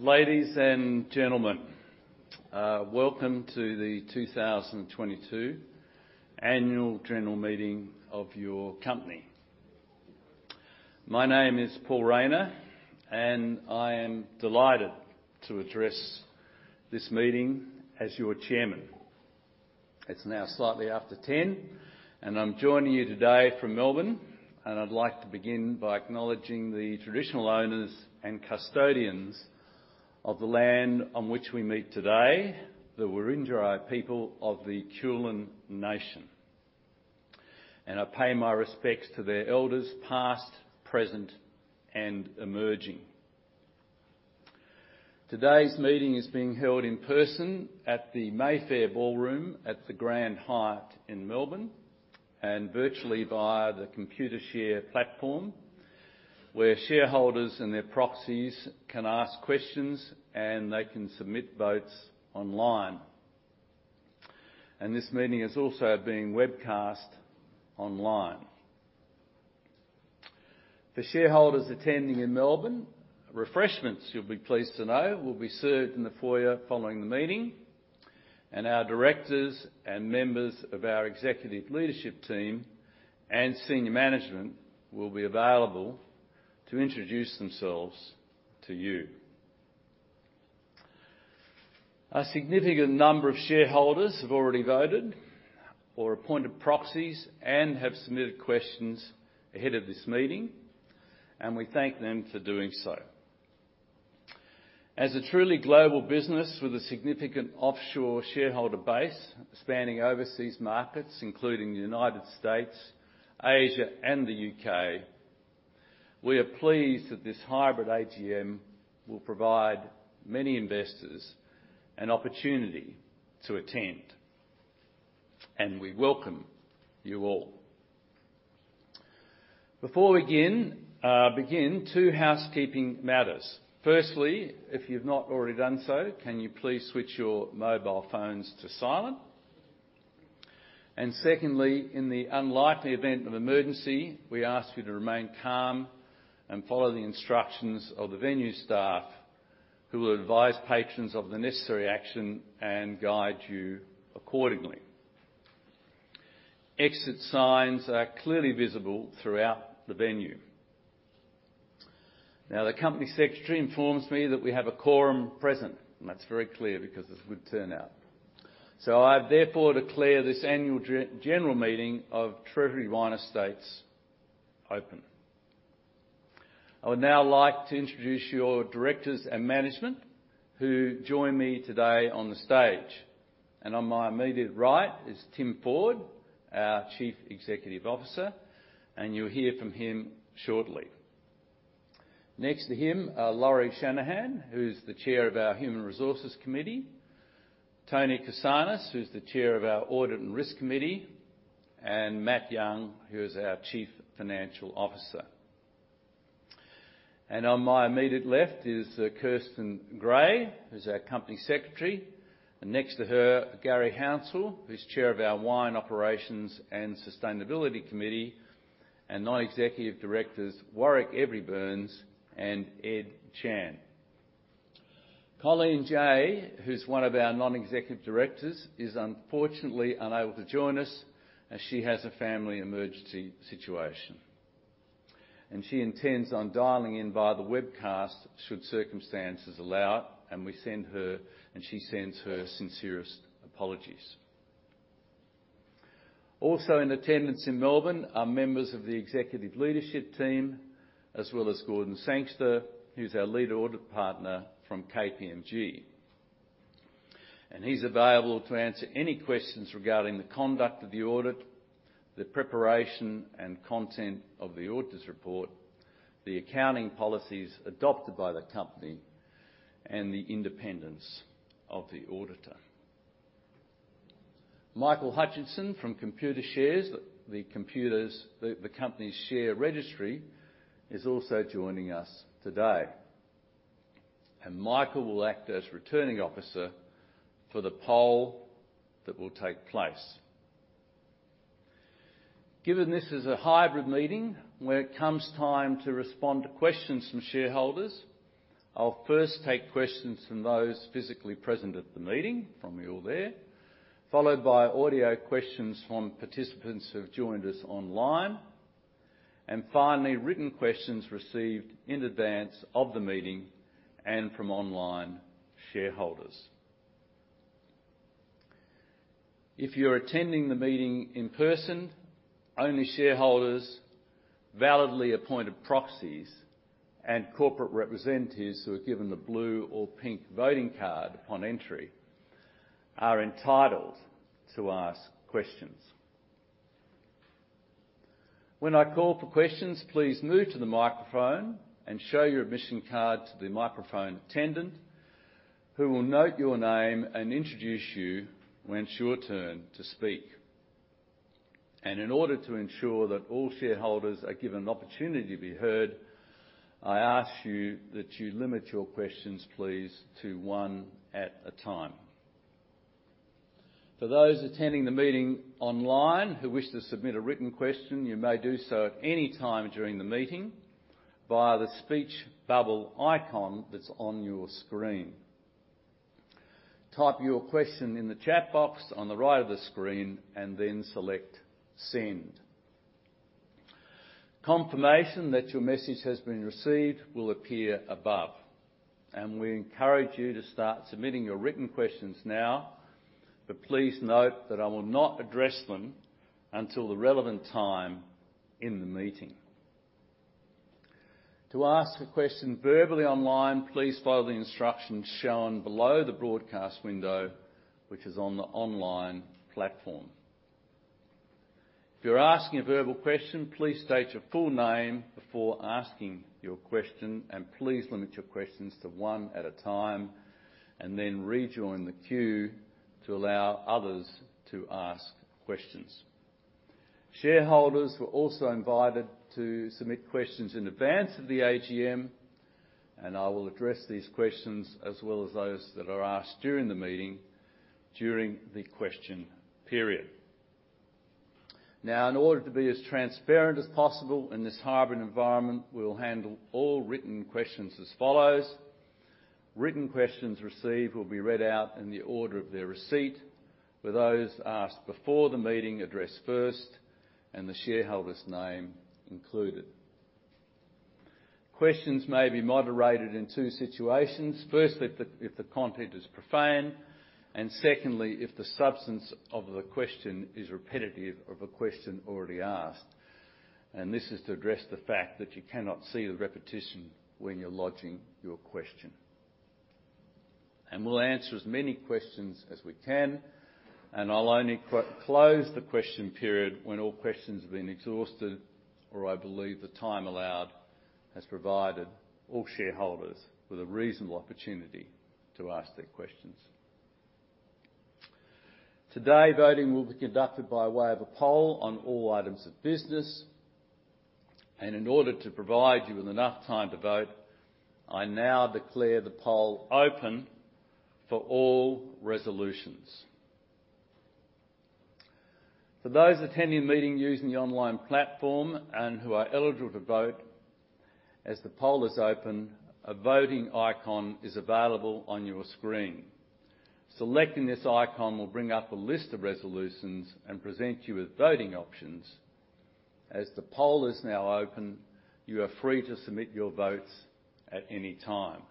Ladies and gentlemen, welcome to the 2022 Annual General Meeting of your company. My name is Paul Rayner, and I am delighted to address this meeting as your chairman. It's now slightly after ten, and I'm joining you today from Melbourne, and I'd like to begin by acknowledging the traditional owners and custodians of the land on which we meet today, the Wurundjeri people of the Kulin nation. I pay my respects to their elders, past, present, and emerging. Today's meeting is being held in person at the Mayfair Ballroom at the Grand Hyatt in Melbourne, and virtually via the Computershare platform, where shareholders and their proxies can ask questions and they can submit votes online. This meeting is also being webcast online. For shareholders attending in Melbourne, refreshments, you'll be pleased to know, will be served in the foyer following the meeting, and our directors and members of our executive leadership team and senior management will be available to introduce themselves to you. A significant number of shareholders have already voted or appointed proxies and have submitted questions ahead of this meeting, and we thank them for doing so. As a truly global business with a significant offshore shareholder base spanning overseas markets, including the United States, Asia, and the U.K., we are pleased that this hybrid AGM will provide many investors an opportunity to attend, and we welcome you all. Before we begin, two housekeeping matters. Firstly, if you've not already done so, can you please switch your mobile phones to silent? Secondly, in the unlikely event of emergency, we ask you to remain calm and follow the instructions of the venue staff, who will advise patrons of the necessary action and guide you accordingly. Exit signs are clearly visible throughout the venue. Now, the company secretary informs me that we have a quorum present, and that's very clear because of this good turnout. I therefore declare this annual general meeting of Treasury Wine Estates open. I would now like to introduce your directors and management who join me today on the stage. On my immediate right is Tim Ford, our Chief Executive Officer, and you'll hear from him shortly. Next to him are Lauri Shanahan, who is the Chair of our Human Resources Committee, Antonia Korsanos, who's the Chair of our Audit and Risk Committee, and Matt Young, who is our Chief Financial Officer. On my immediate left is Kirsten Gray, who's our Company Secretary, and next to her, Garry Hounsell, who's Chair of our Wine Operations and Sustainability Committee, and non-executive directors, Warwick Every-Burns and Ed Chan. Colleen Jay, who's one of our non-executive directors, is unfortunately unable to join us as she has a family emergency situation. She intends on dialing in via the webcast should circumstances allow it, and we send her, and she sends her sincerest apologies. Also in attendance in Melbourne are members of the executive leadership team, as well as Gordon Sangster, who's our Lead Audit Partner from KPMG. He's available to answer any questions regarding the conduct of the audit, the preparation and content of the auditor's report, the accounting policies adopted by the company, and the independence of the auditor. Michael Hutchinson from Computershare, the company's share registry, is also joining us today. Michael will act as Returning Officer for the poll that will take place. Given this is a hybrid meeting, when it comes time to respond to questions from shareholders, I'll first take questions from those physically present at the meeting, from you all there, followed by audio questions from participants who have joined us online, and finally, written questions received in advance of the meeting and from online shareholders. If you're attending the meeting in person, only shareholders, validly appointed proxies, and corporate representatives who are given the blue or pink voting card upon entry are entitled to ask questions. When I call for questions, please move to the microphone and show your admission card to the microphone attendant, who will note your name and introduce you when it's your turn to speak. And in order to ensure that all shareholders are given an opportunity to be heard, I ask you that you limit your questions please, to one at a time. For those attending the meeting online who wish to submit a written question, you may do so at any time during the meeting via the speech bubble icon that's on your screen. Type your question in the chat box on the right of the screen, and then select Send. Confirmation that your message has been received will appear above. We encourage you to start submitting your written questions now, but please note that I will not address them until the relevant time in the meeting. To ask a question verbally online, please follow the instructions shown below the broadcast window, which is on the online platform. If you're asking a verbal question, please state your full name before asking your question, and please limit your questions to one at a time, and then rejoin the queue to allow others to ask questions. Shareholders were also invited to submit questions in advance of the AGM, and I will address these questions as well as those that are asked during the meeting during the question period. Now, in order to be as transparent as possible in this hybrid environment, we will handle all written questions as follows. Written questions received will be read out in the order of their receipt, with those asked before the meeting addressed first, and the shareholder's name included. Questions may be moderated in two situations. Firstly, if the content is profane, and secondly, if the substance of the question is repetitive of a question already asked. This is to address the fact that you cannot see the repetition when you're lodging your question. We'll answer as many questions as we can, and I'll only close the question period when all questions have been exhausted, or I believe the time allowed has provided all shareholders with a reasonable opportunity to ask their questions. Today, voting will be conducted by way of a poll on all items of business. In order to provide you with enough time to vote, I now declare the poll open for all resolutions. For those attending the meeting using the online platform and who are eligible to vote, as the poll is open, a voting icon is available on your screen. Selecting this icon will bring up a list of resolutions and present you with voting options. As the poll is now open, you are free to submit your votes at any time.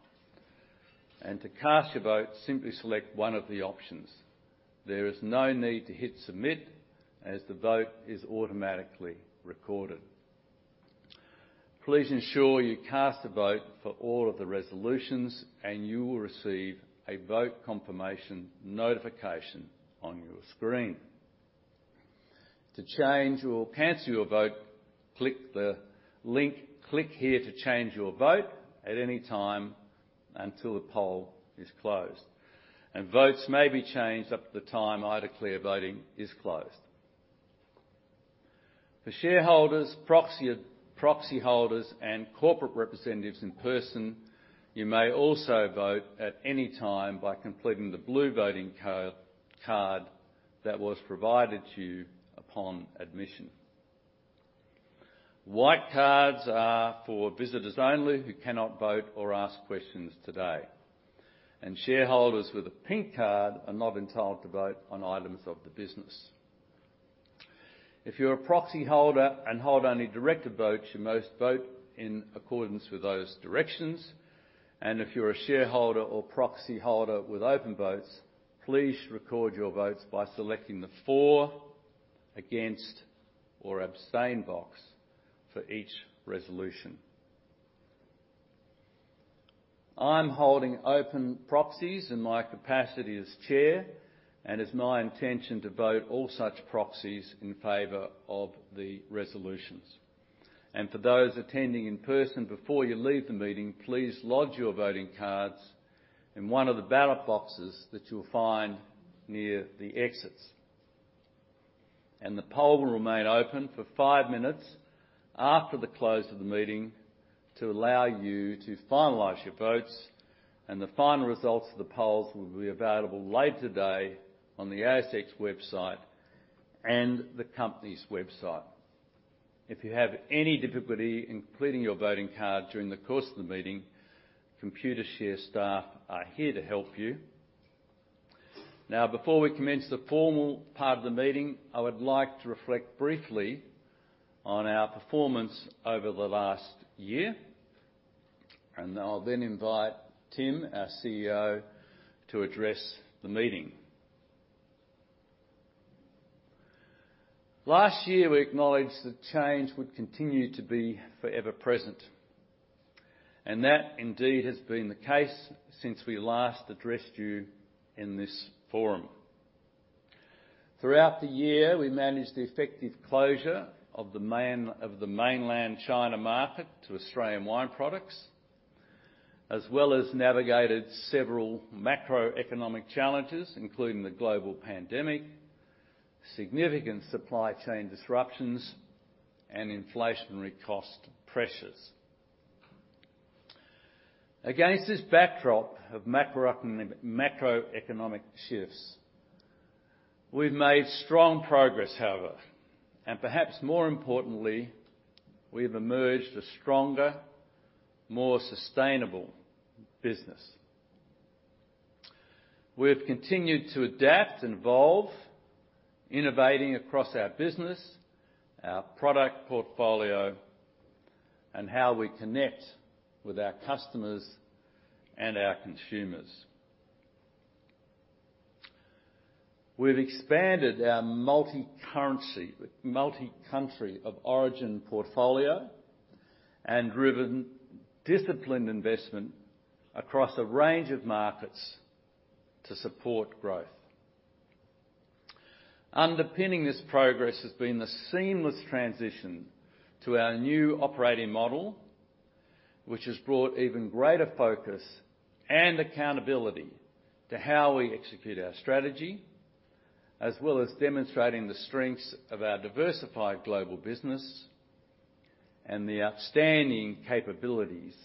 To cast your vote, simply select one of the options. There is no need to hit Submit, as the vote is automatically recorded. Please ensure you cast a vote for all of the resolutions, and you will receive a vote confirmation notification on your screen. To change or cancel your vote, click the link, Click here to change your vote, at any time until the poll is closed. Votes may be changed up to the time I declare voting is closed. For shareholders, proxies, proxy holders, and corporate representatives in person, you may also vote at any time by completing the blue voting card that was provided to you upon admission. White cards are for visitors only who cannot vote or ask questions today. Shareholders with a pink card are not entitled to vote on items of the business. If you're a proxyholder and hold only directed votes, you must vote in accordance with those directions. If you're a shareholder or proxyholder with open votes, please record your votes by selecting the For, Against, or Abstain box for each resolution. I'm holding open proxies in my capacity as chair, and it's my intention to vote all such proxies in favor of the resolutions. For those attending in person, before you leave the meeting, please lodge your voting cards in one of the ballot boxes that you'll find near the exits. The poll will remain open for five minutes after the close of the meeting to allow you to finalize your votes. The final results of the polls will be available later today on the ASX website and the company's website. If you have any difficulty in completing your voting card during the course of the meeting, Computershare staff are here to help you. Now, before we commence the formal part of the meeting, I would like to reflect briefly on our performance over the last year, and I'll then invite Tim, our CEO, to address the meeting. Last year, we acknowledged that change would continue to be forever present, and that indeed has been the case since we last addressed you in this forum. Throughout the year, we managed the effective closure of the Mainland China market to Australian wine products. As well as navigated several macroeconomic challenges, including the global pandemic, significant supply chain disruptions, and inflationary cost pressures. Against this backdrop of macroeconomic shifts, we've made strong progress, however. Perhaps more importantly, we have emerged a stronger, more sustainable business. We have continued to adapt and evolve, innovating across our business, our product portfolio, and how we connect with our customers and our consumers. We've expanded our multicurrency with multi-country of origin portfolio and driven disciplined investment across a range of markets to support growth. Underpinning this progress has been the seamless transition to our new operating model, which has brought even greater focus and accountability to how we execute our strategy, as well as demonstrating the strengths of our diversified global business and the outstanding capabilities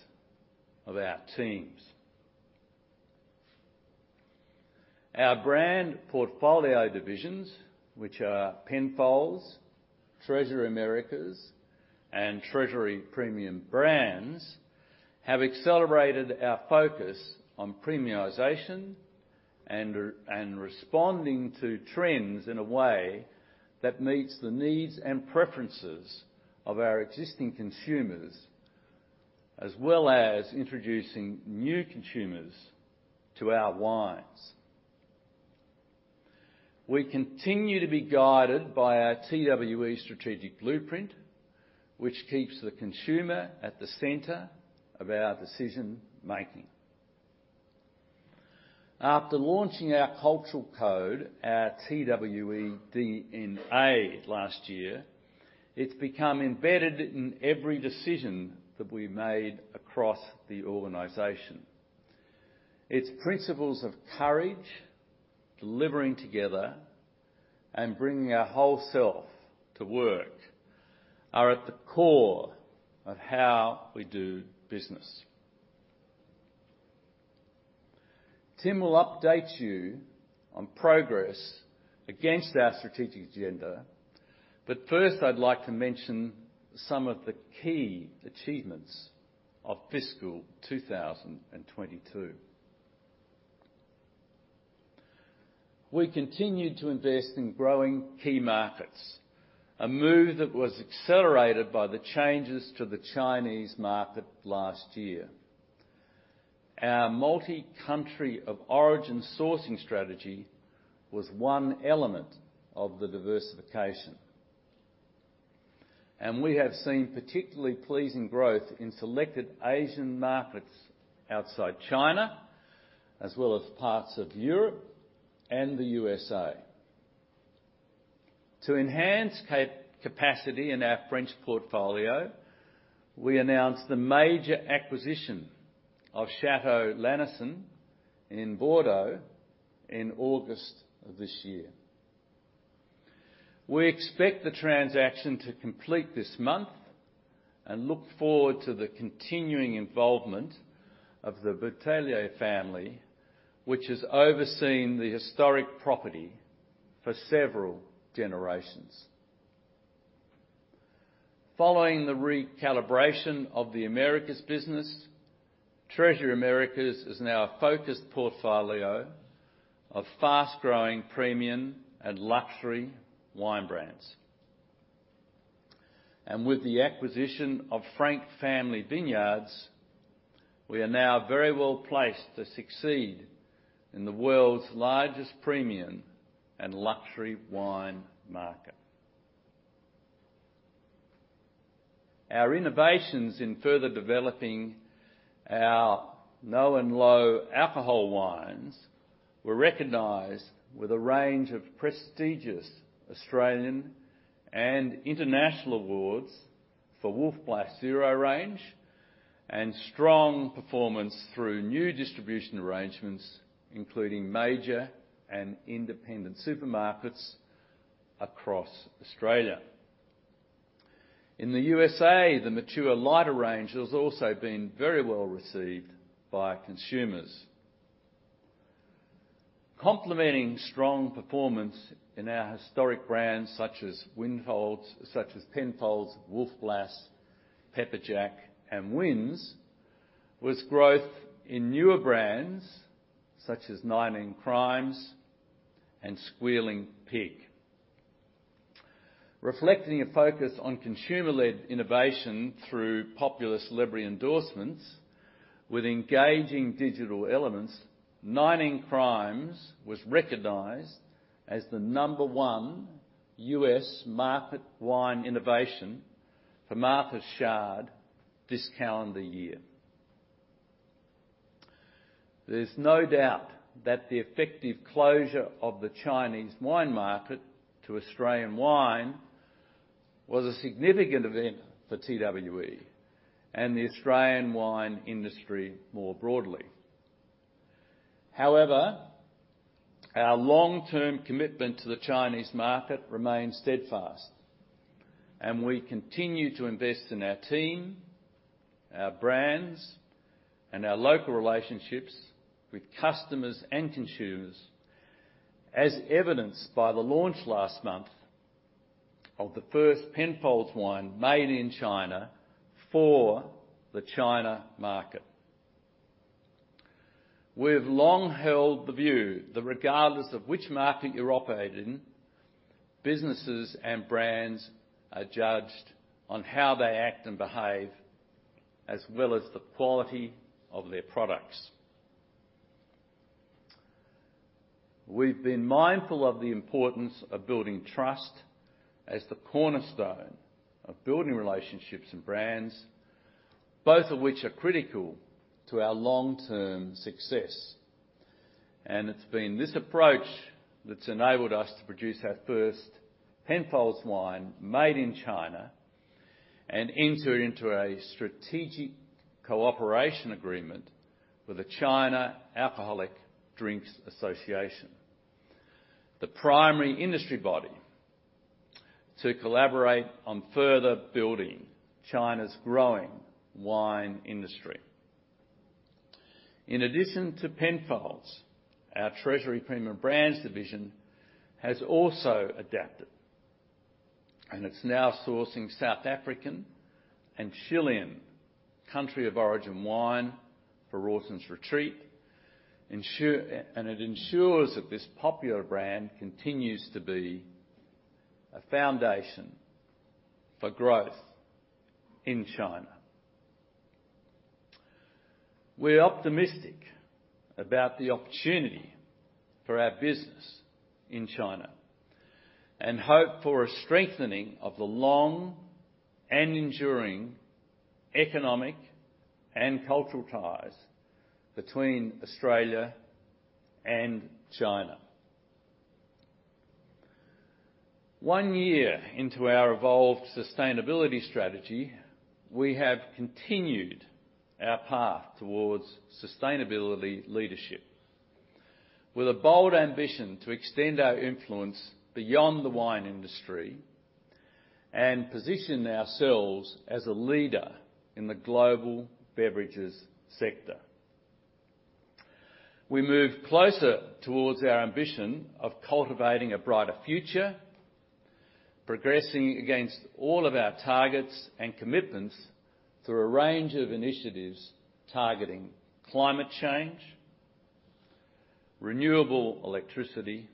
of our teams. Our brand portfolio divisions, which are Penfolds, Treasury Americas, and Treasury Premium Brands, have accelerated our focus on premiumization and responding to trends in a way that meets the needs and preferences of our existing consumers, as well as introducing new consumers to our wines. We continue to be guided by our TWE strategic blueprint, which keeps the consumer at the center of our decision-making. After launching our cultural code, our TWE DNA last year, it's become embedded in every decision that we made across the organization. Its principles of courage, delivering together, and bringing our whole self to work are at the core of how we do business. Tim will update you on progress against our strategic agenda, but first, I'd like to mention some of the key achievements of fiscal 2022. We continued to invest in growing key markets, a move that was accelerated by the changes to the Chinese market last year. Our multi-country of origin sourcing strategy was one element of the diversification. We have seen particularly pleasing growth in selected Asian markets outside China, as well as parts of Europe and the USA. To enhance capacity in our French portfolio, we announced the major acquisition of Château Lanessan in Bordeaux in August of this year. We expect the transaction to complete this month, and look forward to the continuing involvement of the Bouteiller family, which has overseen the historic property for several generations. Following the recalibration of the Americas business, Treasury Americas is now a focused portfolio of fast-growing premium and luxury wine brands. With the acquisition of Frank Family Vineyards, we are now very well placed to succeed in the world's largest premium and luxury wine market. Our innovations in further developing our no and low alcohol wines were recognized with a range of prestigious Australian and international awards for Wolf Blass Zero range, and strong performance through new distribution arrangements, including major and independent supermarkets across Australia. In the USA, the Matua Lighter range has also been very well received by consumers. Complementing strong performance in our historic brands, such as Penfolds, Wolf Blass, Pepperjack, and Wynns, was growth in newer brands such as 19 Crimes and Squealing Pig. Reflecting a focus on consumer-led innovation through popular celebrity endorsements with engaging digital elements, 19 Crimes was recognized as the number one US market wine innovation for Martha's Chard this calendar year. There's no doubt that the effective closure of the Chinese wine market to Australian wine was a significant event for TWE and the Australian wine industry more broadly. However, our long-term commitment to the Chinese market remains steadfast, and we continue to invest in our team, our brands, and our local relationships with customers and consumers, as evidenced by the launch last month of the first Penfolds wine made in China for the China market. We've long held the view that regardless of which market you operate in, businesses and brands are judged on how they act and behave as well as the quality of their products. We've been mindful of the importance of building trust as the cornerstone of building relationships and brands, both of which are critical to our long-term success. It's been this approach that's enabled us to produce our first Penfolds wine made in China and enter into a strategic cooperation agreement with the China Alcoholic Drinks Association, the primary industry body to collaborate on further building China's growing wine industry. In addition to Penfolds, our Treasury Premium Brands division has also adapted, and it's now sourcing South African and Chilean country of origin wine for Rawson's Retreat, and it ensures that this popular brand continues to be a foundation for growth in China. We're optimistic about the opportunity for our business in China and hope for a strengthening of the long and enduring economic and cultural ties between Australia and China. One year into our evolved sustainability strategy, we have continued our path towards sustainability leadership with a bold ambition to extend our influence beyond the wine industry and position ourselves as a leader in the global beverages sector. We move closer towards our ambition of cultivating a brighter future, progressing against all of our targets and commitments through a range of initiatives targeting climate change, renewable electricity,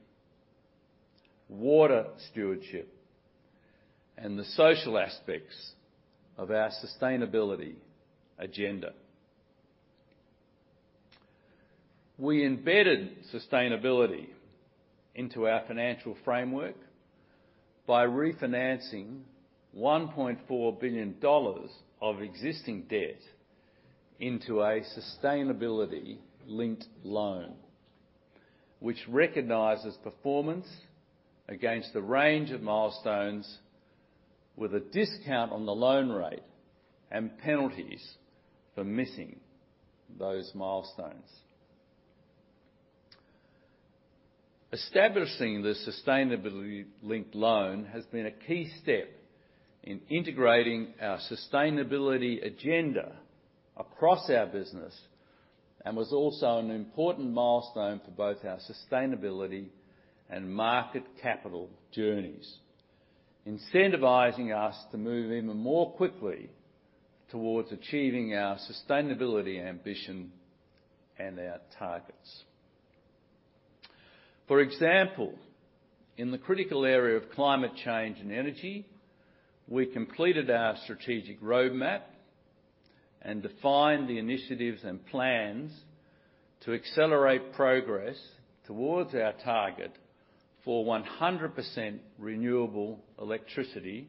water stewardship, and the social aspects of our sustainability agenda. We embedded sustainability into our financial framework by refinancing 1.4 billion dollars of existing debt into a sustainability-linked loan, which recognizes performance against a range of milestones with a discount on the loan rate and penalties for missing those milestones. Establishing the sustainability-linked loan has been a key step in integrating our sustainability agenda across our business and was also an important milestone for both our sustainability and market capital journeys, incentivizing us to move even more quickly towards achieving our sustainability ambition and our targets. For example, in the critical area of climate change and energy, we completed our strategic roadmap and defined the initiatives and plans to accelerate progress towards our target for 100% renewable electricity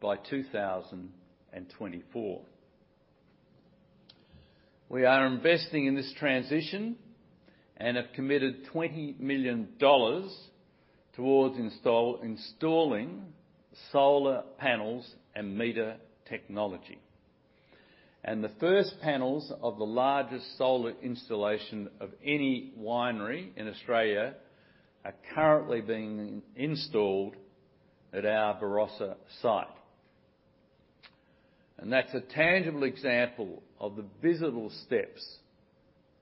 by 2024. We are investing in this transition and have committed 20 million dollars towards installing solar panels and meter technology. The first panels of the largest solar installation of any winery in Australia are currently being installed at our Barossa site. That's a tangible example of the visible steps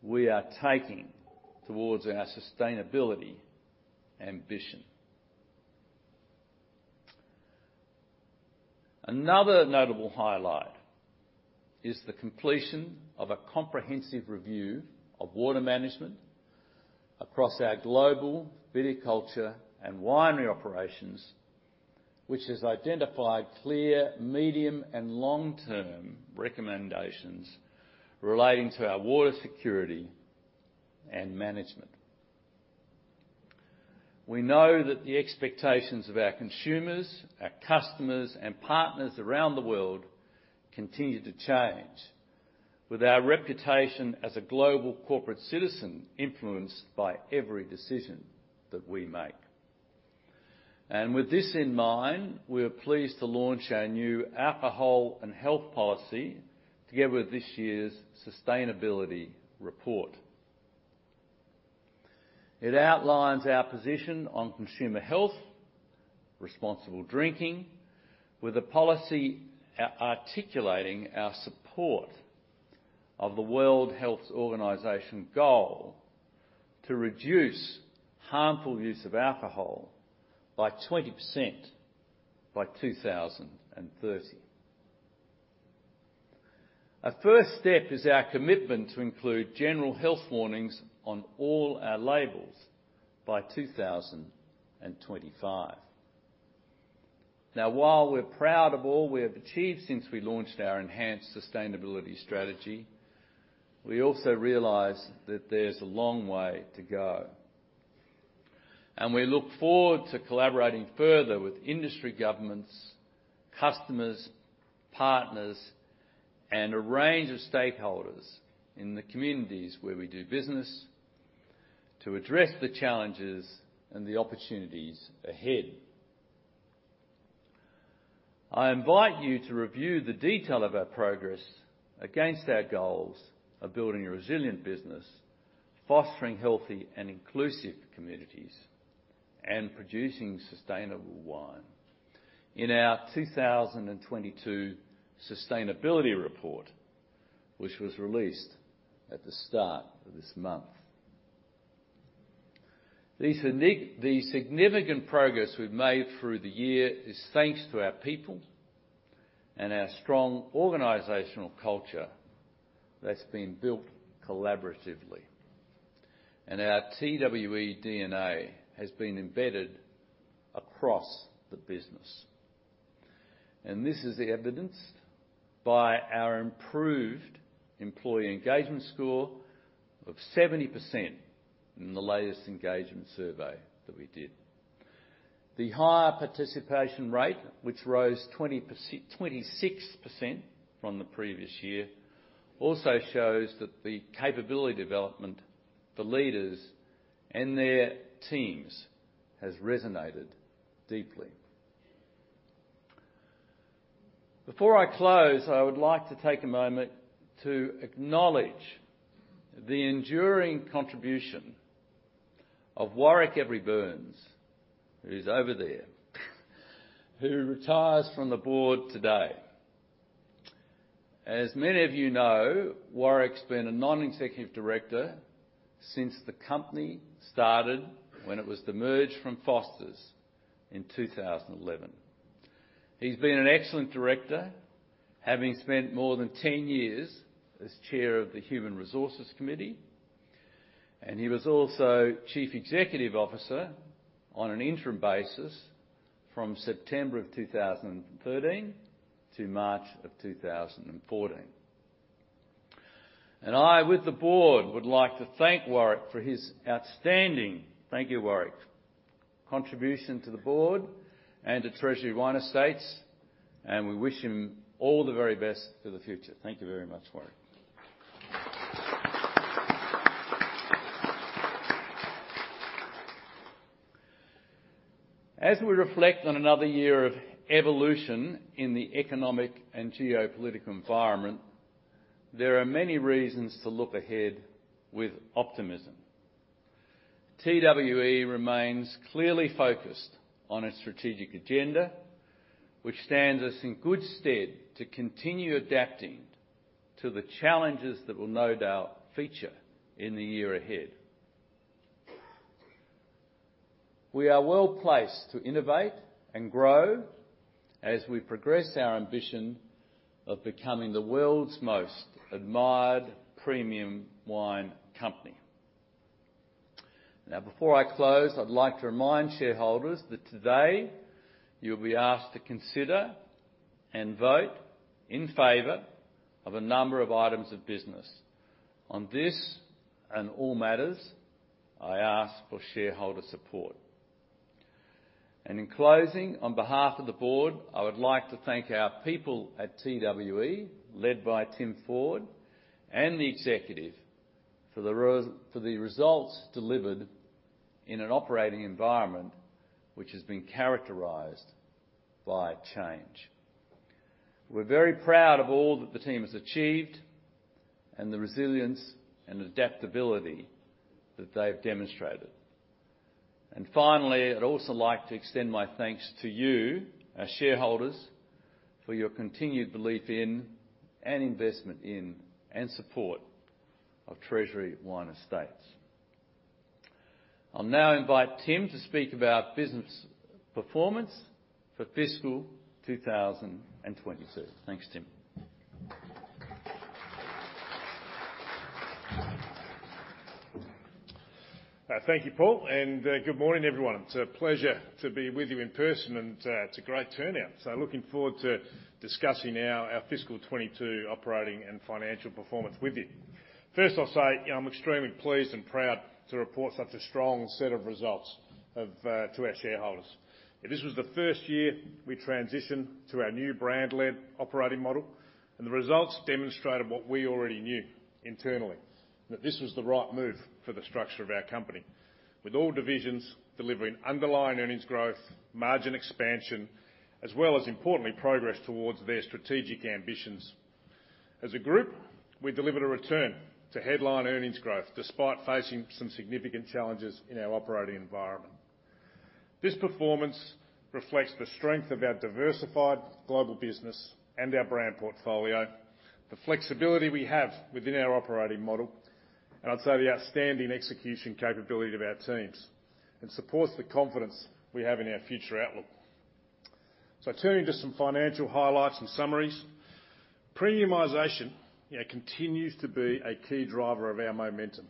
we are taking towards our sustainability ambition. Another notable highlight is the completion of a comprehensive review of water management across our global viticulture and winery operations, which has identified clear, medium-, and long-term recommendations relating to our water security and management. We know that the expectations of our consumers, our customers, and partners around the world continue to change, with our reputation as a global corporate citizen influenced by every decision that we make. With this in mind, we're pleased to launch our new alcohol and health policy together with this year's sustainability report. It outlines our position on consumer health, responsible drinking, with a policy articulating our support of the World Health Organization goal to reduce harmful use of alcohol by 20% by 2030. A first step is our commitment to include general health warnings on all our labels by 2025. Now, while we're proud of all we have achieved since we launched our enhanced sustainability strategy, we also realize that there's a long way to go. We look forward to collaborating further with industry governments, customers, partners, and a range of stakeholders in the communities where we do business to address the challenges and the opportunities ahead. I invite you to review the detail of our progress against our goals of building a resilient business, fostering healthy and inclusive communities, and producing sustainable wine in our 2022 sustainability report, which was released at the start of this month. The significant progress we've made through the year is thanks to our people and our strong organizational culture that's been built collaboratively. Our TWE DNA has been embedded across the business. This is evidenced by our improved employee engagement score of 70% in the latest engagement survey that we did. The higher participation rate, which rose 26% from the previous year, also shows that the capability development for leaders and their teams has resonated deeply. Before I close, I would like to take a moment to acknowledge the enduring contribution of Warwick Every-Burns, who is over there, who retires from the board today. As many of you know, Warwick's been a non-executive director since the company started when it was demerged from Foster's in 2011. He's been an excellent director, having spent more than 10 years as chair of the Human Resources Committee, and he was also Chief Executive Officer on an interim basis from September of 2013 to March of 2014. I, with the board, would like to thank Warwick for his outstanding, thank you, Warwick, contribution to the board and to Treasury Wine Estates, and we wish him all the very best for the future. Thank you very much, Warwick. As we reflect on another year of evolution in the economic and geopolitical environment, there are many reasons to look ahead with optimism. TWE remains clearly focused on its strategic agenda, which stands us in good stead to continue adapting to the challenges that will no doubt feature in the year ahead. We are well-placed to innovate and grow as we progress our ambition of becoming the world's most admired premium wine company. Now, before I close, I'd like to remind shareholders that today you'll be asked to consider and vote in favor of a number of items of business. On this and all matters, I ask for shareholder support. In closing, on behalf of the board, I would like to thank our people at TWE, led by Tim Ford and the executive for the results delivered in an operating environment which has been characterized by change. We're very proud of all that the team has achieved and the resilience and adaptability that they've demonstrated. Finally, I'd also like to extend my thanks to you, our shareholders, for your continued belief in and investment in, and support of Treasury Wine Estates. I'll now invite Tim to speak about business performance for fiscal 2022. Thanks, Tim. Thank you, Paul, and good morning everyone. It's a pleasure to be with you in person, and it's a great turnout. Looking forward to discussing our fiscal 2022 operating and financial performance with you. First, I'll say, you know, I'm extremely pleased and proud to report such a strong set of results to our shareholders. This was the first year we transitioned to our new brand-led operating model. The results demonstrated what we already knew internally, that this was the right move for the structure of our company, with all divisions delivering underlying earnings growth, margin expansion, as well as importantly progressed towards their strategic ambitions. As a group, we delivered a return to headline earnings growth despite facing some significant challenges in our operating environment. This performance reflects the strength of our diversified global business and our brand portfolio, the flexibility we have within our operating model, and I'd say the outstanding execution capability of our teams, and supports the confidence we have in our future outlook. Turning to some financial highlights and summaries. Premiumization, you know, continues to be a key driver of our momentum,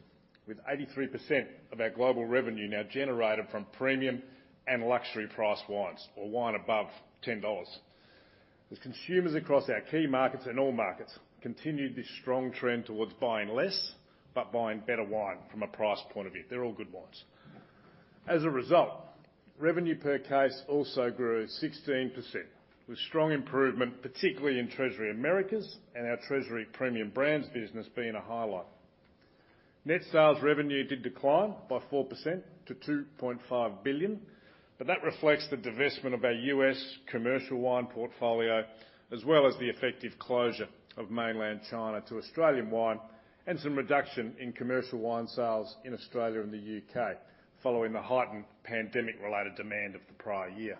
with 83% of our global revenue now generated from premium and luxury price wines, or wine above $10. As consumers across our key markets and all markets continued this strong trend towards buying less, but buying better wine from a price point of view. They're all good wines. As a result, revenue per case also grew 16%, with strong improvement, particularly in Treasury Americas and our Treasury Premium Brands business being a highlight. Net sales revenue did decline by 4% to 2.5 billion, but that reflects the divestment of our U.S. commercial wine portfolio, as well as the effective closure of mainland China to Australian wine and some reduction in commercial wine sales in Australia and the U.K. following the heightened pandemic-related demand of the prior year.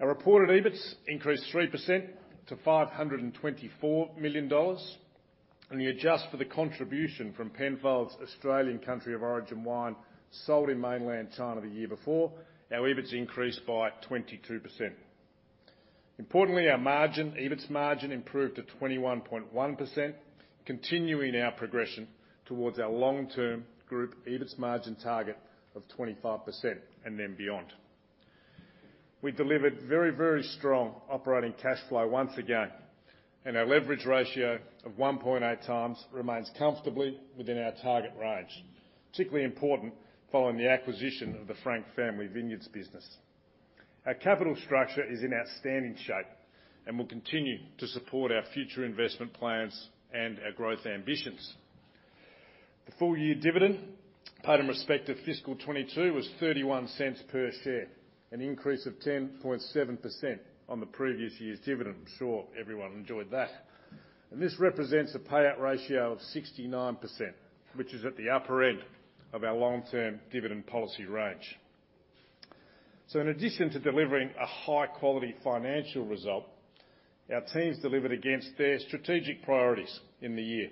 Our reported EBIT increased 3% to 524 million dollars, and to adjust for the contribution from Penfolds Australian country of origin wine sold in mainland China the year before, our EBIT increased by 22%. Importantly, our margin, EBITS margin improved to 21.1%, continuing our progression towards our long-term group EBITS margin target of 25% and then beyond. We delivered very, very strong operating cash flow once again, and our leverage ratio of 1.8 times remains comfortably within our target range, particularly important following the acquisition of the Frank Family Vineyards business. Our capital structure is in outstanding shape and will continue to support our future investment plans and our growth ambitions. The full-year dividend paid in respect to fiscal 2022 was 0.31 per share, an increase of 10.7% on the previous year's dividend. I'm sure everyone enjoyed that. This represents a payout ratio of 69%, which is at the upper end of our long-term dividend policy range. In addition to delivering a high-quality financial result, our teams delivered against their strategic priorities in the year.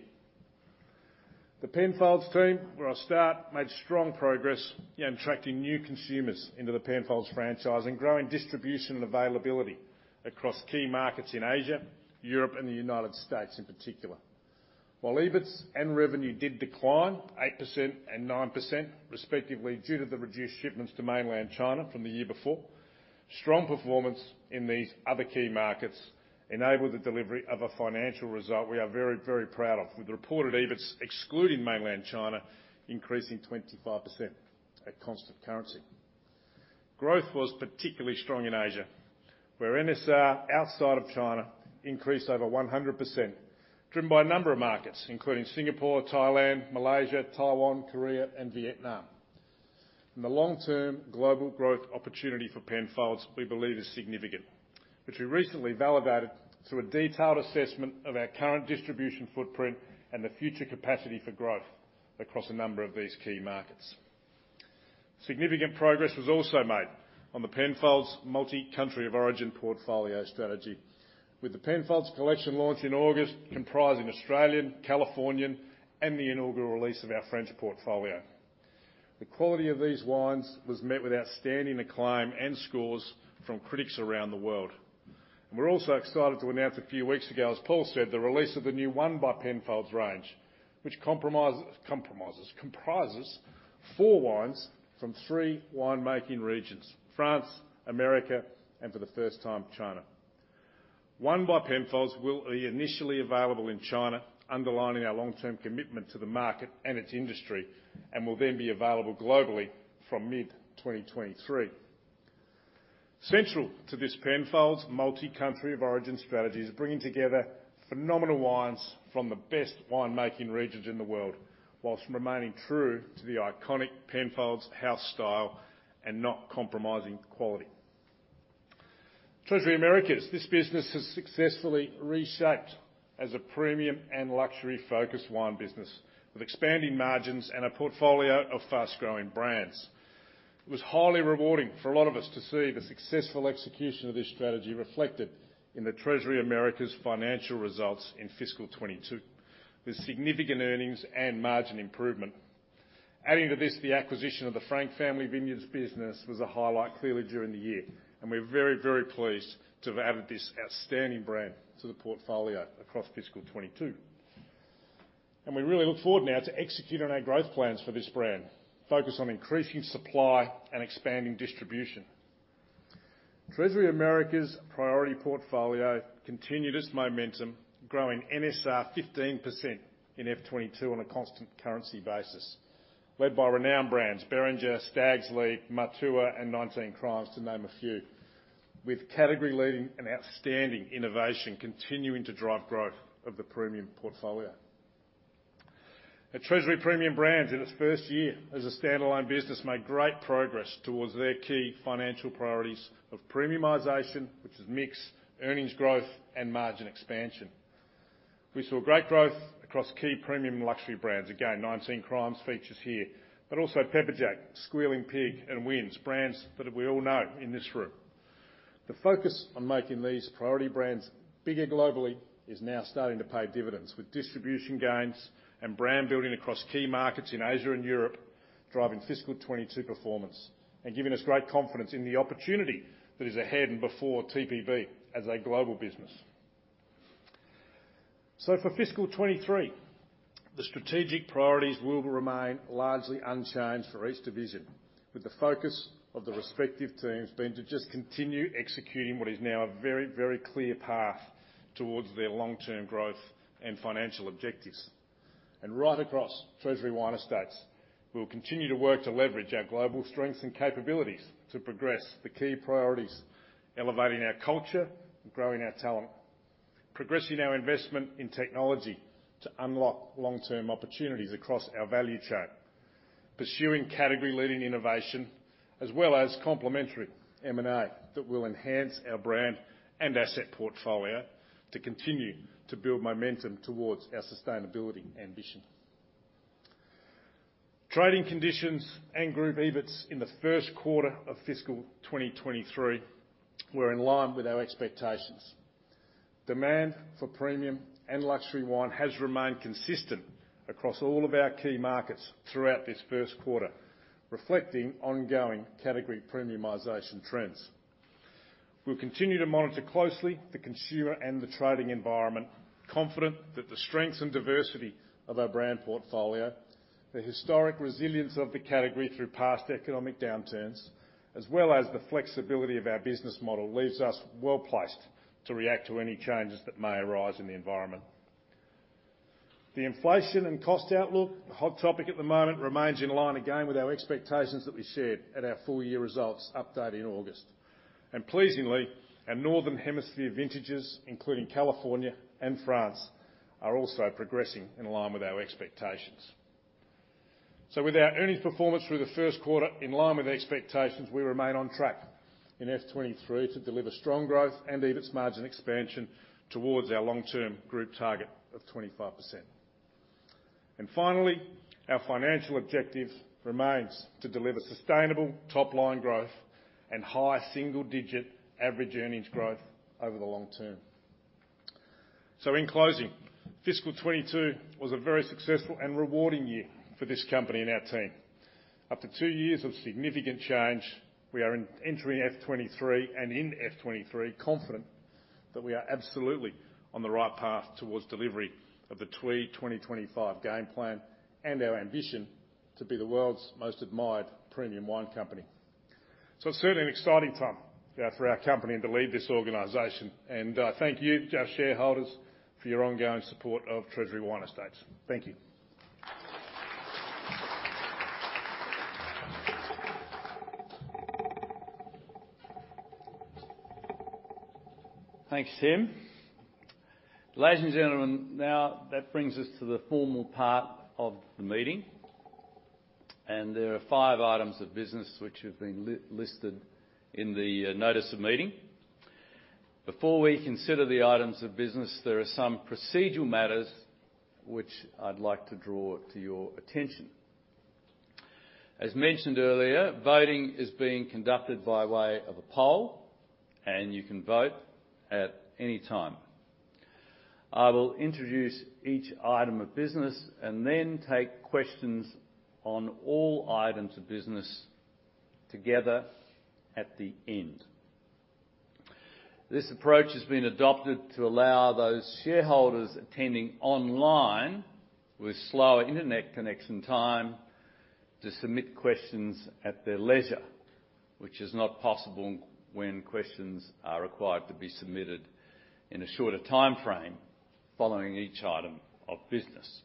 The Penfolds team, where I start, made strong progress in attracting new consumers into the Penfolds franchise and growing distribution and availability across key markets in Asia, Europe, and the United States in particular. While EBIT and revenue did decline 8% and 9% respectively due to the reduced shipments to mainland China from the year before, strong performance in these other key markets enabled the delivery of a financial result we are very, very proud of, with the reported EBIT excluding mainland China increasing 25% at constant currency. Growth was particularly strong in Asia, where NSR outside of China increased over 100%, driven by a number of markets, including Singapore, Thailand, Malaysia, Taiwan, Korea, and Vietnam. The long-term global growth opportunity for Penfolds, we believe, is significant, which we recently validated through a detailed assessment of our current distribution footprint and the future capacity for growth across a number of these key markets. Significant progress was also made on the Penfolds multi-country of origin portfolio strategy, with the Penfolds collection launch in August comprising Australian, Californian, and the inaugural release of our French portfolio. The quality of these wines was met with outstanding acclaim and scores from critics around the world. We're also excited to announce a few weeks ago, as Paul said, the release of the new One by Penfolds range, which comprises four wines from three winemaking regions, France, America, and for the first time, China. One by Penfolds will be initially available in China, underlining our long-term commitment to the market and its industry, and will then be available globally from mid-2023. Central to this Penfolds multi-country of origin strategy is bringing together phenomenal wines from the best winemaking regions in the world while remaining true to the iconic Penfolds house style and not compromising quality. Treasury Americas, this business has successfully reshaped as a premium and luxury-focused wine business with expanding margins and a portfolio of fast-growing brands. It was highly rewarding for a lot of us to see the successful execution of this strategy reflected in the Treasury Americas financial results in fiscal 2022, with significant earnings and margin improvement. Adding to this, the acquisition of the Frank Family Vineyards business was a highlight clearly during the year, and we're very, very pleased to have added this outstanding brand to the portfolio across fiscal 2022. We really look forward now to executing on our growth plans for this brand, focused on increasing supply and expanding distribution. Treasury Americas priority portfolio continued its momentum, growing NSR 15% in FY 2022 on a constant currency basis. Led by renowned brands Beringer, Stags' Leap, Matua, and 19 Crimes, to name a few. With category-leading and outstanding innovation continuing to drive growth of the premium portfolio. At Treasury Premium Brands, in its first year as a standalone business, made great progress towards their key financial priorities of premiumization, which is mix, earnings growth, and margin expansion. We saw great growth across key premium luxury brands. Again, 19 Crimes features here, but also Pepperjack, Squealing Pig, and Wynns, brands that we all know in this room. The focus on making these priority brands bigger globally is now starting to pay dividends, with distribution gains and brand building across key markets in Asia and Europe, driving fiscal 2022 performance and giving us great confidence in the opportunity that is ahead and before TPB as a global business. For fiscal 2023, the strategic priorities will remain largely unchanged for each division, with the focus of the respective teams being to just continue executing what is now a very, very clear path towards their long-term growth and financial objectives. Right across Treasury Wine Estates, we will continue to work to leverage our global strengths and capabilities to progress the key priorities, elevating our culture and growing our talent, progressing our investment in technology to unlock long-term opportunities across our value chain, pursuing category-leading innovation, as well as complementary M&A that will enhance our brand and asset portfolio to continue to build momentum towards our sustainability ambition. Trading conditions and group EBITS in the Q1 of fiscal 2023 were in line with our expectations. Demand for premium and luxury wine has remained consistent across all of our key markets throughout this Q1, reflecting ongoing category premiumization trends. We'll continue to monitor closely the consumer and the trading environment, confident that the strengths and diversity of our brand portfolio, the historic resilience of the category through past economic downturns, as well as the flexibility of our business model, leaves us well-placed to react to any changes that may arise in the environment. The inflation and cost outlook, the hot topic at the moment, remains in line again with our expectations that we shared at our full year results update in August. Pleasingly, our Northern Hemisphere vintages, including California and France, are also progressing in line with our expectations. With our earnings performance through the Q1 in line with expectations, we remain on track in FY 2023 to deliver strong growth and EBITS margin expansion towards our long-term group target of 25%. Finally, our financial objective remains to deliver sustainable top-line growth and high single-digit average earnings growth over the long term. In closing, fiscal 2022 was a very successful and rewarding year for this company and our team. After two years of significant change, we are entering FY 2023, and in FY 2023, confident that we are absolutely on the right path towards delivery of the TWE 2025 game plan and our ambition to be the world's most admired premium wine company. It's certainly an exciting time for our company and to lead this organization. Thank you to our shareholders for your ongoing support of Treasury Wine Estates. Thank you. Thanks, Tim. Ladies and gentlemen, now that brings us to the formal part of the meeting, and there are five items of business which have been listed in the notice of meeting. Before we consider the items of business, there are some procedural matters which I'd like to draw to your attention. As mentioned earlier, voting is being conducted by way of a poll, and you can vote at any time. I will introduce each item of business and then take questions on all items of business together at the end. This approach has been adopted to allow those shareholders attending online with slower internet connection time to submit questions at their leisure, which is not possible when questions are required to be submitted in a shorter timeframe following each item of business.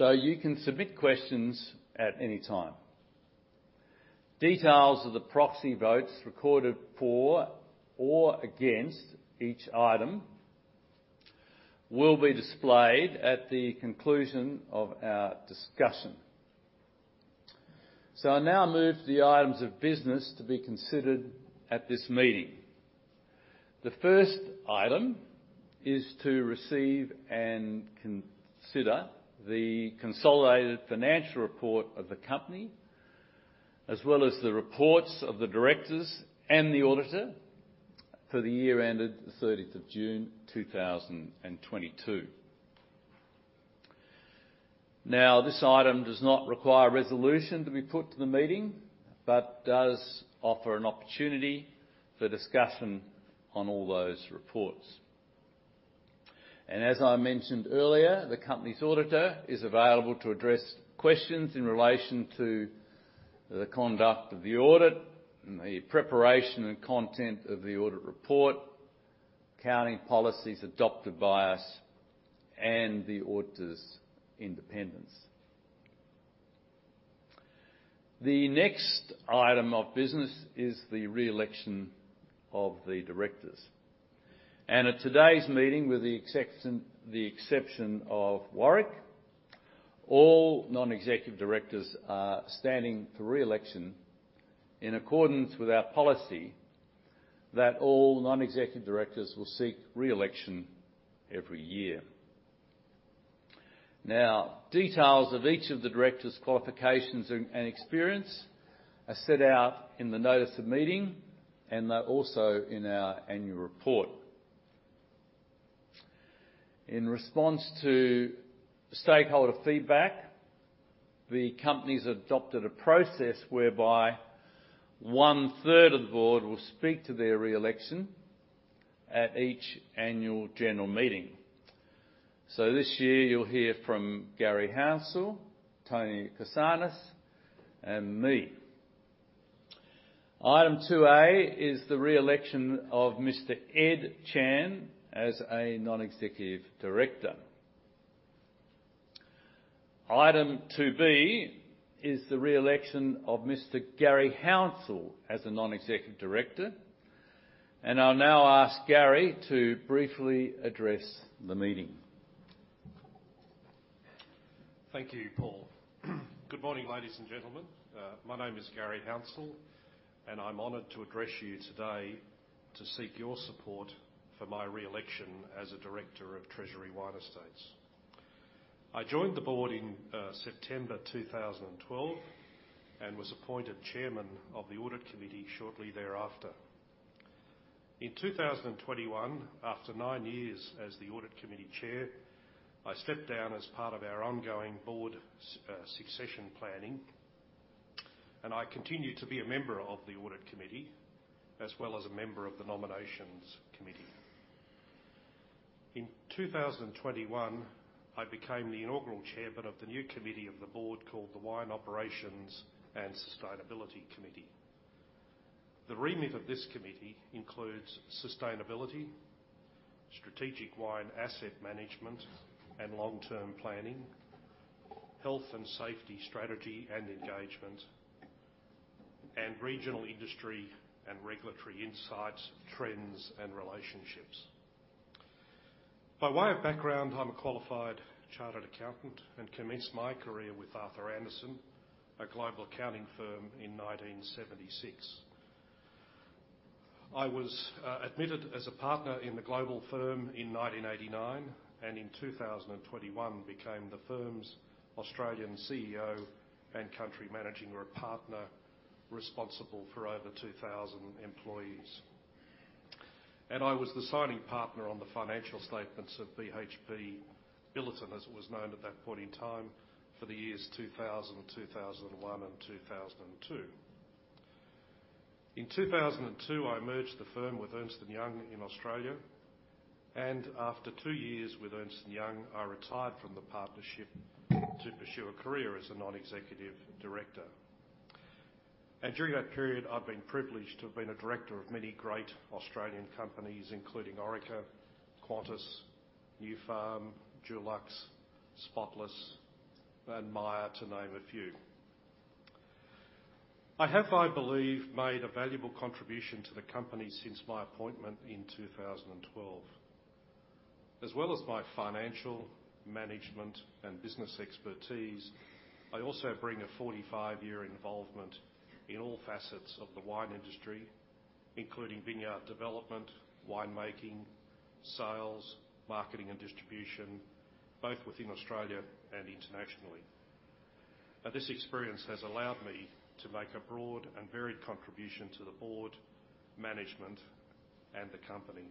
You can submit questions at any time. Details of the proxy votes recorded for or against each item will be displayed at the conclusion of our discussion. I now move the items of business to be considered at this meeting. The first item is to receive and consider the consolidated financial report of the company, as well as the reports of the directors and the auditor for the year ended the 13th of June, 2022. Now, this item does not require a resolution to be put to the meeting, but does offer an opportunity for discussion on all those reports. As I mentioned earlier, the company's auditor is available to address questions in relation to the conduct of the audit, and the preparation and content of the audit report, accounting policies adopted by us, and the auditor's independence. The next item of business is the re-election of the directors. At today's meeting, with the exception of Warwick Every-Burns, all non-executive directors are standing for re-election in accordance with our policy that all non-executive directors will seek re-election every year. Now, details of each of the directors' qualifications and experience are set out in the notice of meeting, and they're also in our annual report. In response to stakeholder feedback, the company's adopted a process whereby one-third of the board will speak to their re-election at each annual general meeting. This year you'll hear from Garry Hounsell, Antonia Korsanos, and me. Item 2A is the re-election of Mr. Ed Chan as a non-executive director. Item 2B is the re-election of Mr. Garry Hounsell as a non-executive director, and I'll now ask Garry to briefly address the meeting. Thank you, Paul. Good morning, ladies and gentlemen. My name is Garry Hounsell, and I'm honored to address you today to seek your support for my re-election as a director of Treasury Wine Estates. I joined the board in September 2012 and was appointed chairman of the audit committee shortly thereafter. In 2021, after nine years as the audit committee chair, I stepped down as part of our ongoing board succession planning, and I continue to be a member of the audit committee, as well as a member of the nominations committee. In 2021, I became the inaugural chairman of the new committee of the board called the Wine Operations and Sustainability Committee. The remit of this committee includes sustainability, strategic wine asset management and long-term planning, health and safety strategy and engagement, and regional industry and regulatory insights, trends, and relationships. By way of background, I'm a qualified chartered accountant and commenced my career with Arthur Andersen, a global accounting firm, in 1976. I was admitted as a partner in the global firm in 1989, and in 2021 became the firm's Australian CEO and country managing partner, responsible for over 2,000 employees. I was the signing partner on the financial statements of BHP Billiton, as it was known at that point in time, for the years 2000, 2001, and 2002. In 2002, I merged the firm with Ernst & Young in Australia, and after two years with Ernst & Young, I retired from the partnership to pursue a career as a non-executive director. During that period, I've been privileged to have been a director of many great Australian companies, including Orica, Qantas, Nufarm, Dulux, Spotless, and Myer, to name a few. I have, I believe, made a valuable contribution to the company since my appointment in 2012. As well as my financial management and business expertise, I also bring a 45-year involvement in all facets of the wine industry, including vineyard development, winemaking, sales, marketing, and distribution, both within Australia and internationally. This experience has allowed me to make a broad and varied contribution to the board, management, and the company.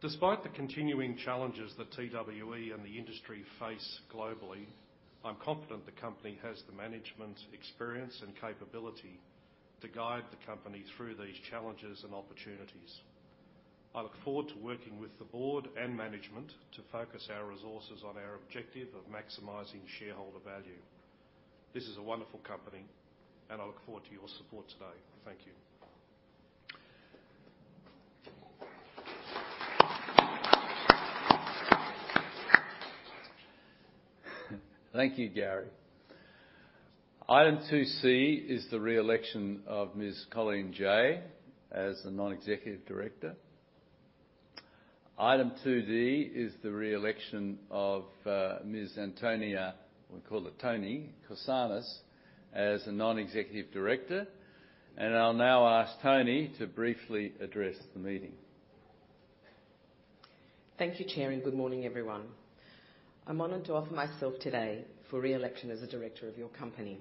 Despite the continuing challenges that TWE and the industry face globally, I'm confident the company has the management experience and capability to guide the company through these challenges and opportunities. I look forward to working with the board and management to focus our resources on our objective of maximizing shareholder value. This is a wonderful company, and I look forward to your support today. Thank you. Thank you, Garry. Item 2C is the re-election of Ms. Colleen Jay as a Non-Executive Director. Item 2D is the re-election of Ms. Antonia Korsanos, we call her Toni, as a Non-Executive Director, and I'll now ask Toni to briefly address the meeting. Thank you, Chair, and good morning, everyone. I'm honored to offer myself today for re-election as a director of your company.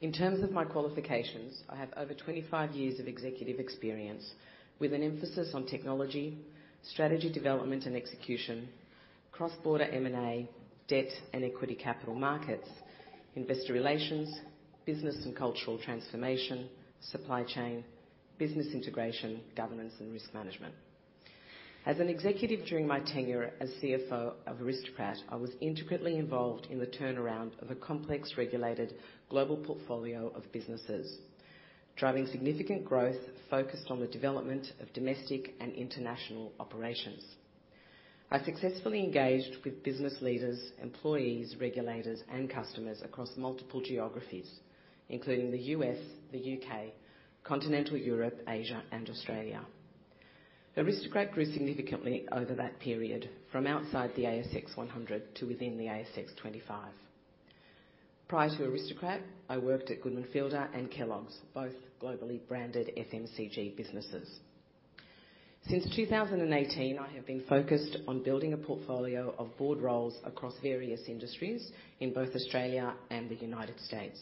In terms of my qualifications, I have over 25 years of executive experience with an emphasis on technology, strategy development and execution, cross-border M&A, debt and equity capital markets, investor relations, business and cultural transformation, supply chain, business integration, governance and risk management. As an executive during my tenure as CFO of Aristocrat, I was intricately involved in the turnaround of a complex regulated global portfolio of businesses, driving significant growth focused on the development of domestic and international operations. I successfully engaged with business leaders, employees, regulators and customers across multiple geographies, including the U.S., the U.K., Continental Europe, Asia and Australia. Aristocrat grew significantly over that period from outside the S&P/ASX 100 to within the ASX 25. Prior to Aristocrat, I worked at Goodman Fielder and Kellogg's, both globally branded FMCG businesses. Since 2018, I have been focused on building a portfolio of board roles across various industries in both Australia and the United States.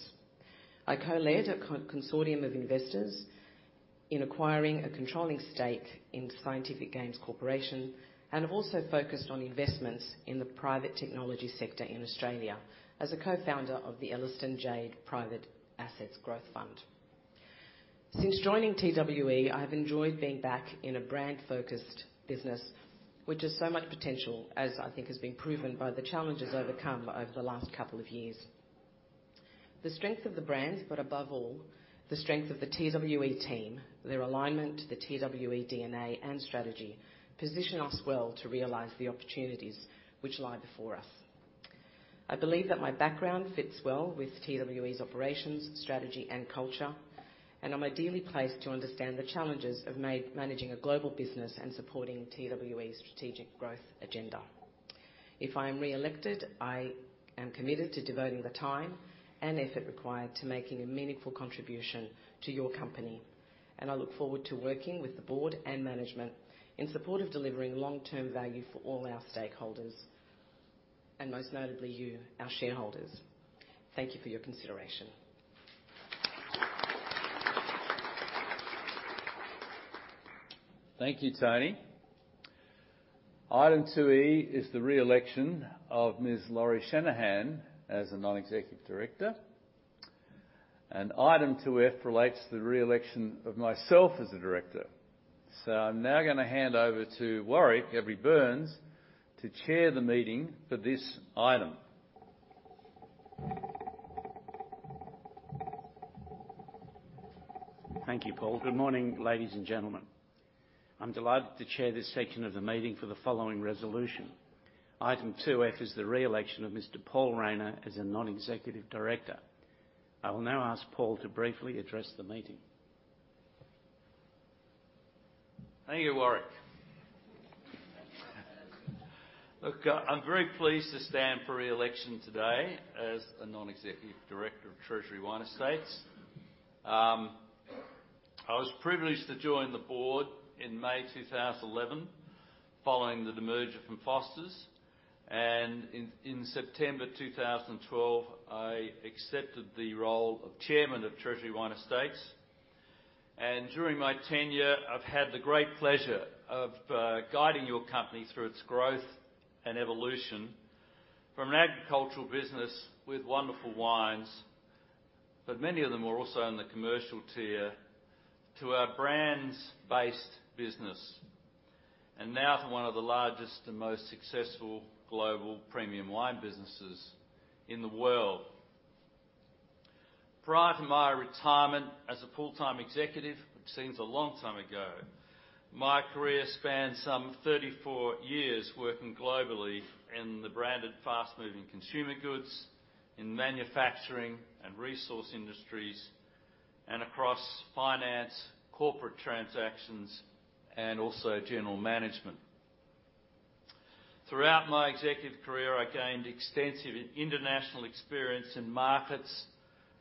I co-led a consortium of investors in acquiring a controlling stake in Scientific Games Corporation and also focused on investments in the private technology sector in Australia as a co-founder of the Ellerston JAADE Private Assets Growth Fund. Since joining TWE, I have enjoyed being back in a brand-focused business, which has so much potential, as I think has been proven by the challenges overcome over the last couple of years. The strength of the brands, but above all, the strength of the TWE team, their alignment to the TWE DNA and strategy, position us well to realize the opportunities which lie before us. I believe that my background fits well with TWE's operations, strategy and culture, and I'm ideally placed to understand the challenges of managing a global business and supporting TWE's strategic growth agenda. If I am reelected, I am committed to devoting the time and effort required to making a meaningful contribution to your company, and I look forward to working with the board and management in support of delivering long-term value for all our stakeholders, and most notably you, our shareholders. Thank you for your consideration. Thank you, Toni. Item 2E is the reelection of Ms. Lauri Shanahan as a non-executive director. Item 2F relates to the reelection of myself as a director. I'm now gonna hand over to Warwick Every-Burns to chair the meeting for this item. Thank you, Paul. Good morning, ladies and gentlemen. I'm delighted to chair this section of the meeting for the following resolution. Item 2F is the reelection of Mr. Paul Rayner as a non-executive director. I will now ask Paul to briefly address the meeting. Thank you, Warwick. Look, I'm very pleased to stand for reelection today as a non-executive director of Treasury Wine Estates. I was privileged to join the board in May 2011, following the demerger from Foster's. In September 2012, I accepted the role of chairman of Treasury Wine Estates. During my tenure, I've had the great pleasure of guiding your company through its growth and evolution from an agricultural business with wonderful wines, but many of them were also in the commercial tier, to a brands-based business. Now to one of the largest and most successful global premium wine businesses in the world. Prior to my retirement as a full-time executive, which seems a long time ago, my career spanned some 34 years working globally in the branded fast-moving consumer goods, in manufacturing and resource industries, and across finance, corporate transactions, and also general management. Throughout my executive career, I gained extensive and international experience in markets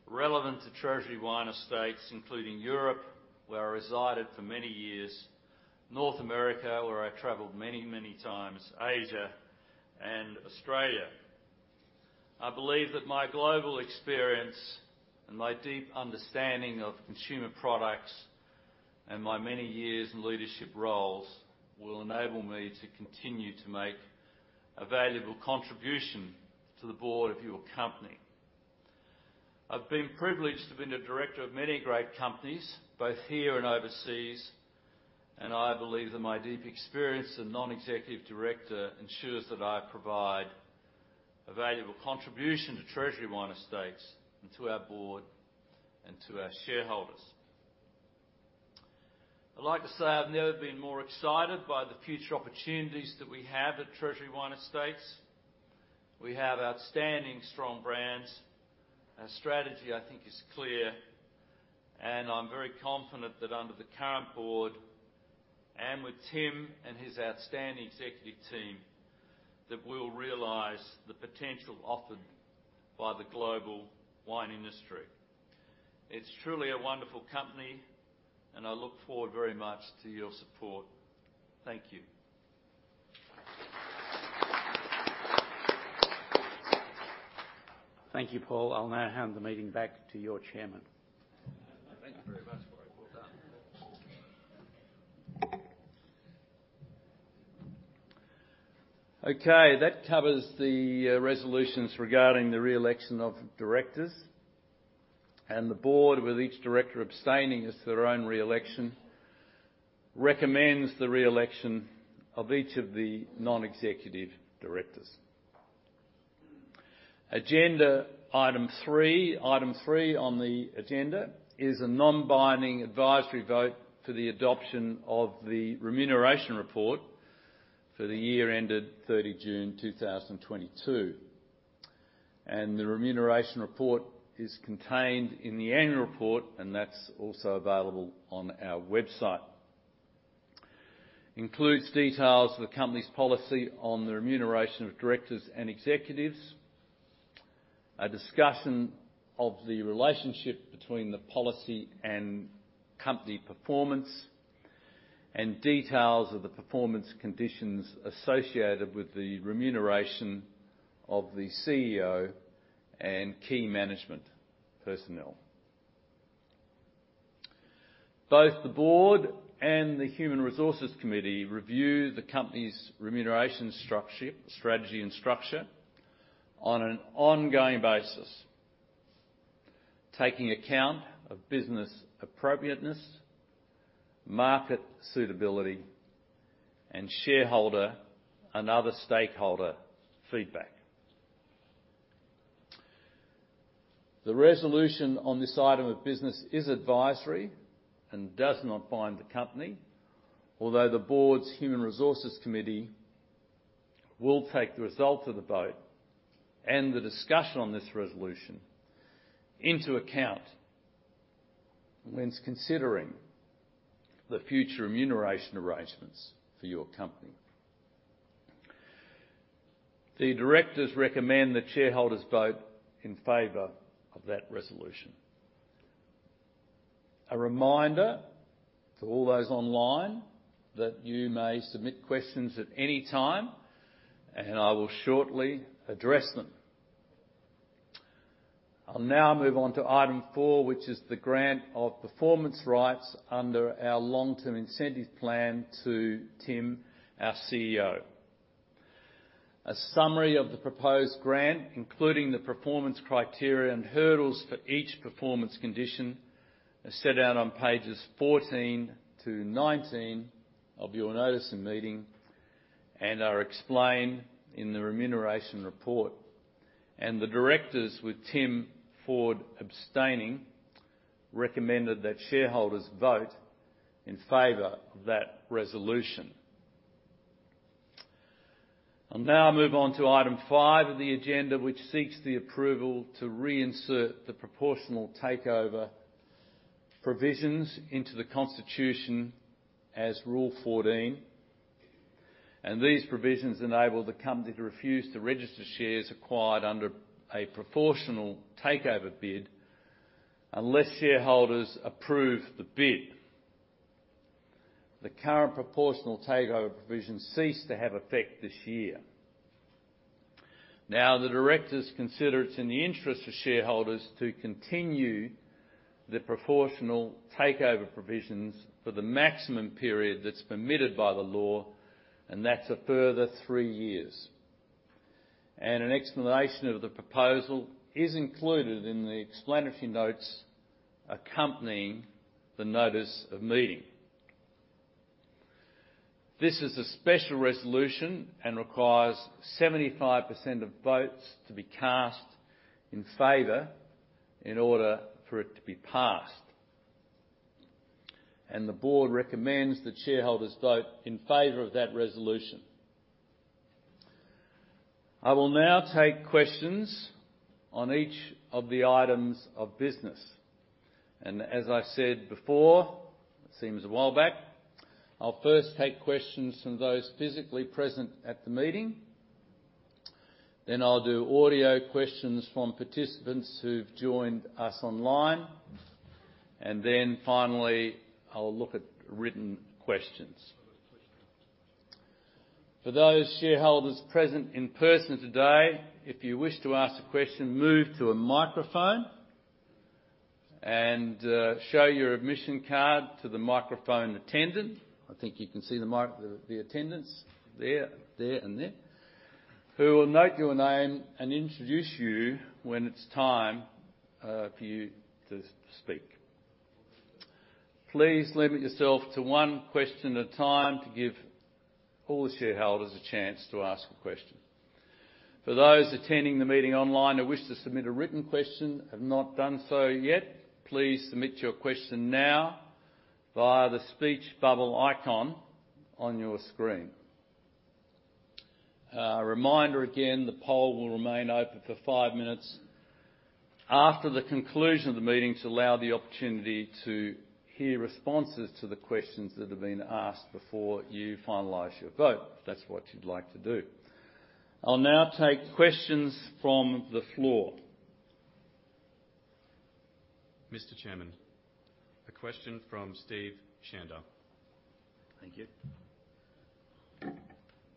relevant to Treasury Wine Estates, including Europe, where I resided for many years, North America, where I traveled many, many times, Asia and Australia. I believe that my global experience and my deep understanding of consumer products and my many years in leadership roles will enable me to continue to make a valuable contribution to the board of your company. I've been privileged to have been a director of many great companies, both here and overseas, and I believe that my deep experience as a non-executive director ensures that I provide a valuable contribution to Treasury Wine Estates and to our board and to our shareholders. I'd like to say I've never been more excited by the future opportunities that we have at Treasury Wine Estates. We have outstanding strong brands. Our strategy, I think, is clear, and I'm very confident that under the current board, and with Tim and his outstanding executive team, that we'll realize the potential offered by the global wine industry. It's truly a wonderful company and I look forward very much to your support. Thank you. Thank you, Paul. I'll now hand the meeting back to your chairman. Thank you very much, Paul. Well done. Okay, that covers the resolutions regarding the re-election of directors. The board, with each director abstaining as to their own re-election, recommends the re-election of each of the non-executive directors. Agenda item three. Item three on the agenda is a non-binding advisory vote for the adoption of the remuneration report for the year ended 30 June 2022. The remuneration report is contained in the annual report, and that's also available on our website. Includes details of the company's policy on the remuneration of directors and executives. A discussion of the relationship between the policy and company performance, and details of the performance conditions associated with the remuneration of the CEO and key management personnel. Both the board and the Human Resources Committee review the company's remuneration strategy and structure on an ongoing basis, taking account of business appropriateness, market suitability, and shareholder and other stakeholder feedback. The resolution on this item of business is advisory and does not bind the company, although the board's Human Resources Committee will take the result of the vote and the discussion on this resolution into account when it's considering the future remuneration arrangements for your company. The directors recommend that shareholders vote in favor of that resolution. A reminder to all those online that you may submit questions at any time, and I will shortly address them. I'll now move on to item four, which is the grant of performance rights under our long-term incentive plan to Tim, our CEO. A summary of the proposed grant, including the performance criteria and hurdles for each performance condition, are set out on pages 14-19 of your notice of meeting and are explained in the remuneration report. The directors, with Tim Ford abstaining, recommended that shareholders vote in favor of that resolution. I'll now move on to item five of the agenda, which seeks the approval to reinsert the proportional takeover provisions into the constitution as Rule 14. These provisions enable the company to refuse to register shares acquired under a proportional takeover bid unless shareholders approve the bid. The current proportional takeover provisions cease to have effect this year. Now, the directors consider it's in the interest of shareholders to continue the proportional takeover provisions for the maximum period that's permitted by the law, and that's a further three years. An explanation of the proposal is included in the explanatory notes accompanying the notice of meeting. This is a special resolution and requires 75% of votes to be cast in favor in order for it to be passed. The board recommends that shareholders vote in favor of that resolution. I will now take questions on each of the items of business. As I said before, it seems a while back, I'll first take questions from those physically present at the meeting. I'll do audio questions from participants who've joined us online. Finally, I'll look at written questions. For those shareholders present in person today, if you wish to ask a question, move to a microphone and show your admission card to the microphone attendant. I think you can see the attendants there, and there. Who will note your name and introduce you when it's time for you to speak. Please limit yourself to one question at a time to give all the shareholders a chance to ask a question. For those attending the meeting online who wish to submit a written question and have not done so yet, please submit your question now via the speech bubble icon on your screen. A reminder again, the poll will remain open for five minutes after the conclusion of the meeting to allow the opportunity to hear responses to the questions that have been asked before you finalize your vote, if that's what you'd like to do. I'll now take questions from the floor. Mr. Chairman, a question from Steve Shanda. Thank you.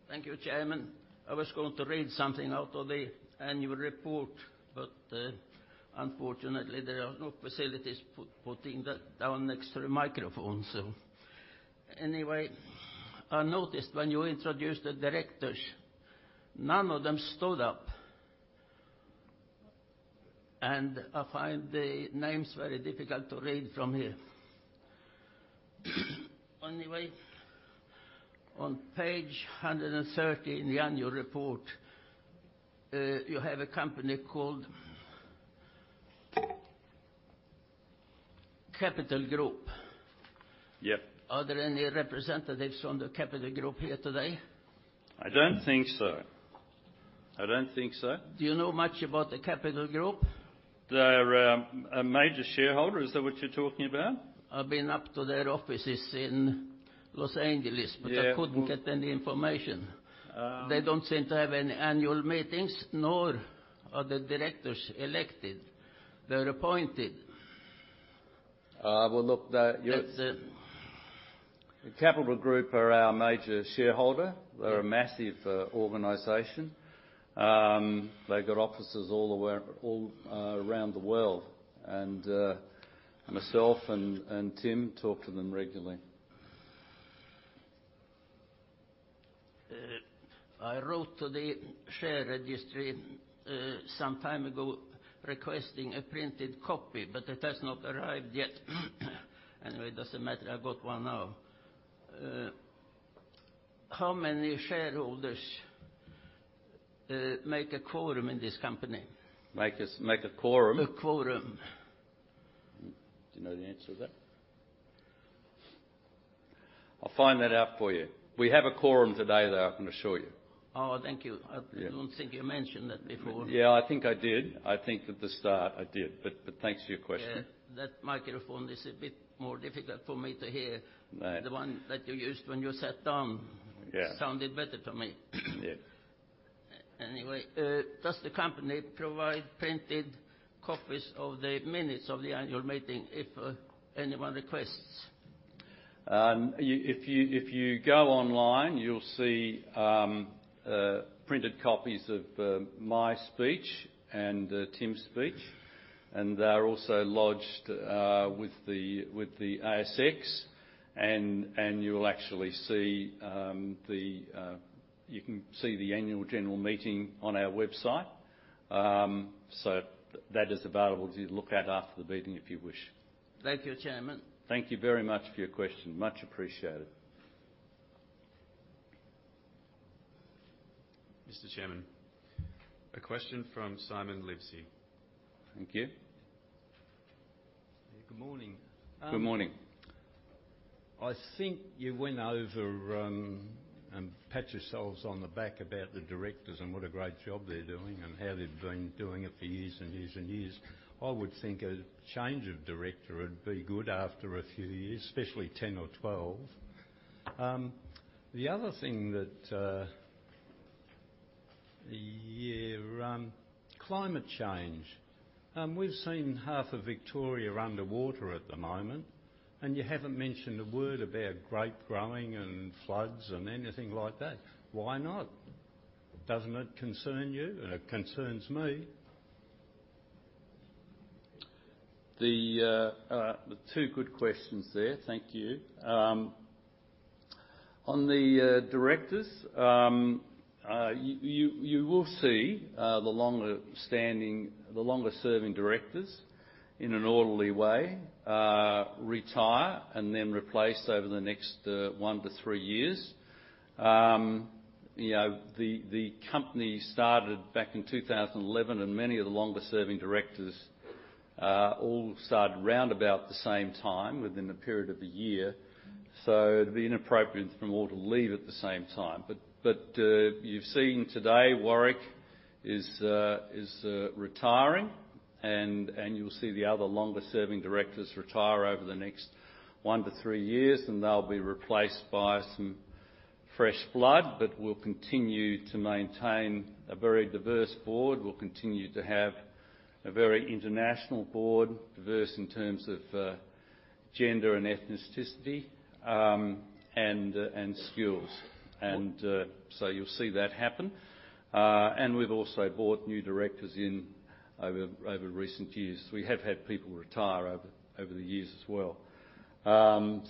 Thank you, Chairman. I was going to read something out of the annual report, but unfortunately, there are no facilities putting that down next to the microphone. Anyway, I noticed when you introduced the directors, none of them stood up. I find the names very difficult to read from here. Anyway, on page 130 in the annual report, you have a company called Capital Group. Yeah. Are there any representatives from the Capital Group here today? I don't think so. I don't think so. Do you know much about the Capital Group? They're a major shareholder. Is that what you're talking about? I've been up to their offices in Los Angeles. Yeah. I couldn't get any information. Um- They don't seem to have any annual meetings, nor are the directors elected. They're appointed. Well, look, they- It's The Capital Group are our major shareholder. Yeah. They're a massive organization. They've got offices all around the world. Myself and Tim talk to them regularly. I wrote to the share registry some time ago requesting a printed copy, but it has not arrived yet. Anyway, it doesn't matter. I've got one now. How many shareholders make a quorum in this company? Make a quorum? A quorum. Do you know the answer to that? I'll find that out for you. We have a quorum today, though, I can assure you. Oh, thank you. Yeah. I don't think you mentioned that before. Yeah, I think I did. I think at the start I did, but thanks for your question. Yeah. That microphone is a bit more difficult for me to hear. Right. The one that you used when you sat down. Yeah Sounded better to me. Yeah. Anyway, does the company provide printed copies of the minutes of the annual meeting if anyone requests? If you go online, you'll see printed copies of my speech and Tim's speech, and they're also lodged with the ASX. You'll actually see that you can see the annual general meeting on our website. That is available to look at after the meeting if you wish. Thank you, Chairman. Thank you very much for your question. Much appreciated. Mr. Chairman, a question from Simon Livesey. Thank you. Good morning. Good morning. I think you went over and pat yourselves on the back about the directors and what a great job they're doing and how they've been doing it for years and years and years. I would think a change of director would be good after a few years, especially 10 or 12. The other thing that climate change. We've seen half of Victoria under water at the moment, and you haven't mentioned a word about grape growing and floods and anything like that. Why not? Doesn't it concern you? It concerns me. The two good questions there. Thank you. On the directors. You will see the longer serving directors in an orderly way retire and then replaced over the next one to three years. You know, the company started back in 2011, and many of the longer serving directors all started round about the same time within a period of a year. It'd be inappropriate for them all to leave at the same time. You've seen today Warwick is retiring, and you'll see the other longer serving directors retire over the next one to three years, and they'll be replaced by some fresh blood. We'll continue to maintain a very diverse board. We'll continue to have a very international board, diverse in terms of gender and ethnicity, and skills. You'll see that happen. We've also brought new directors in over recent years. We have had people retire over the years as well.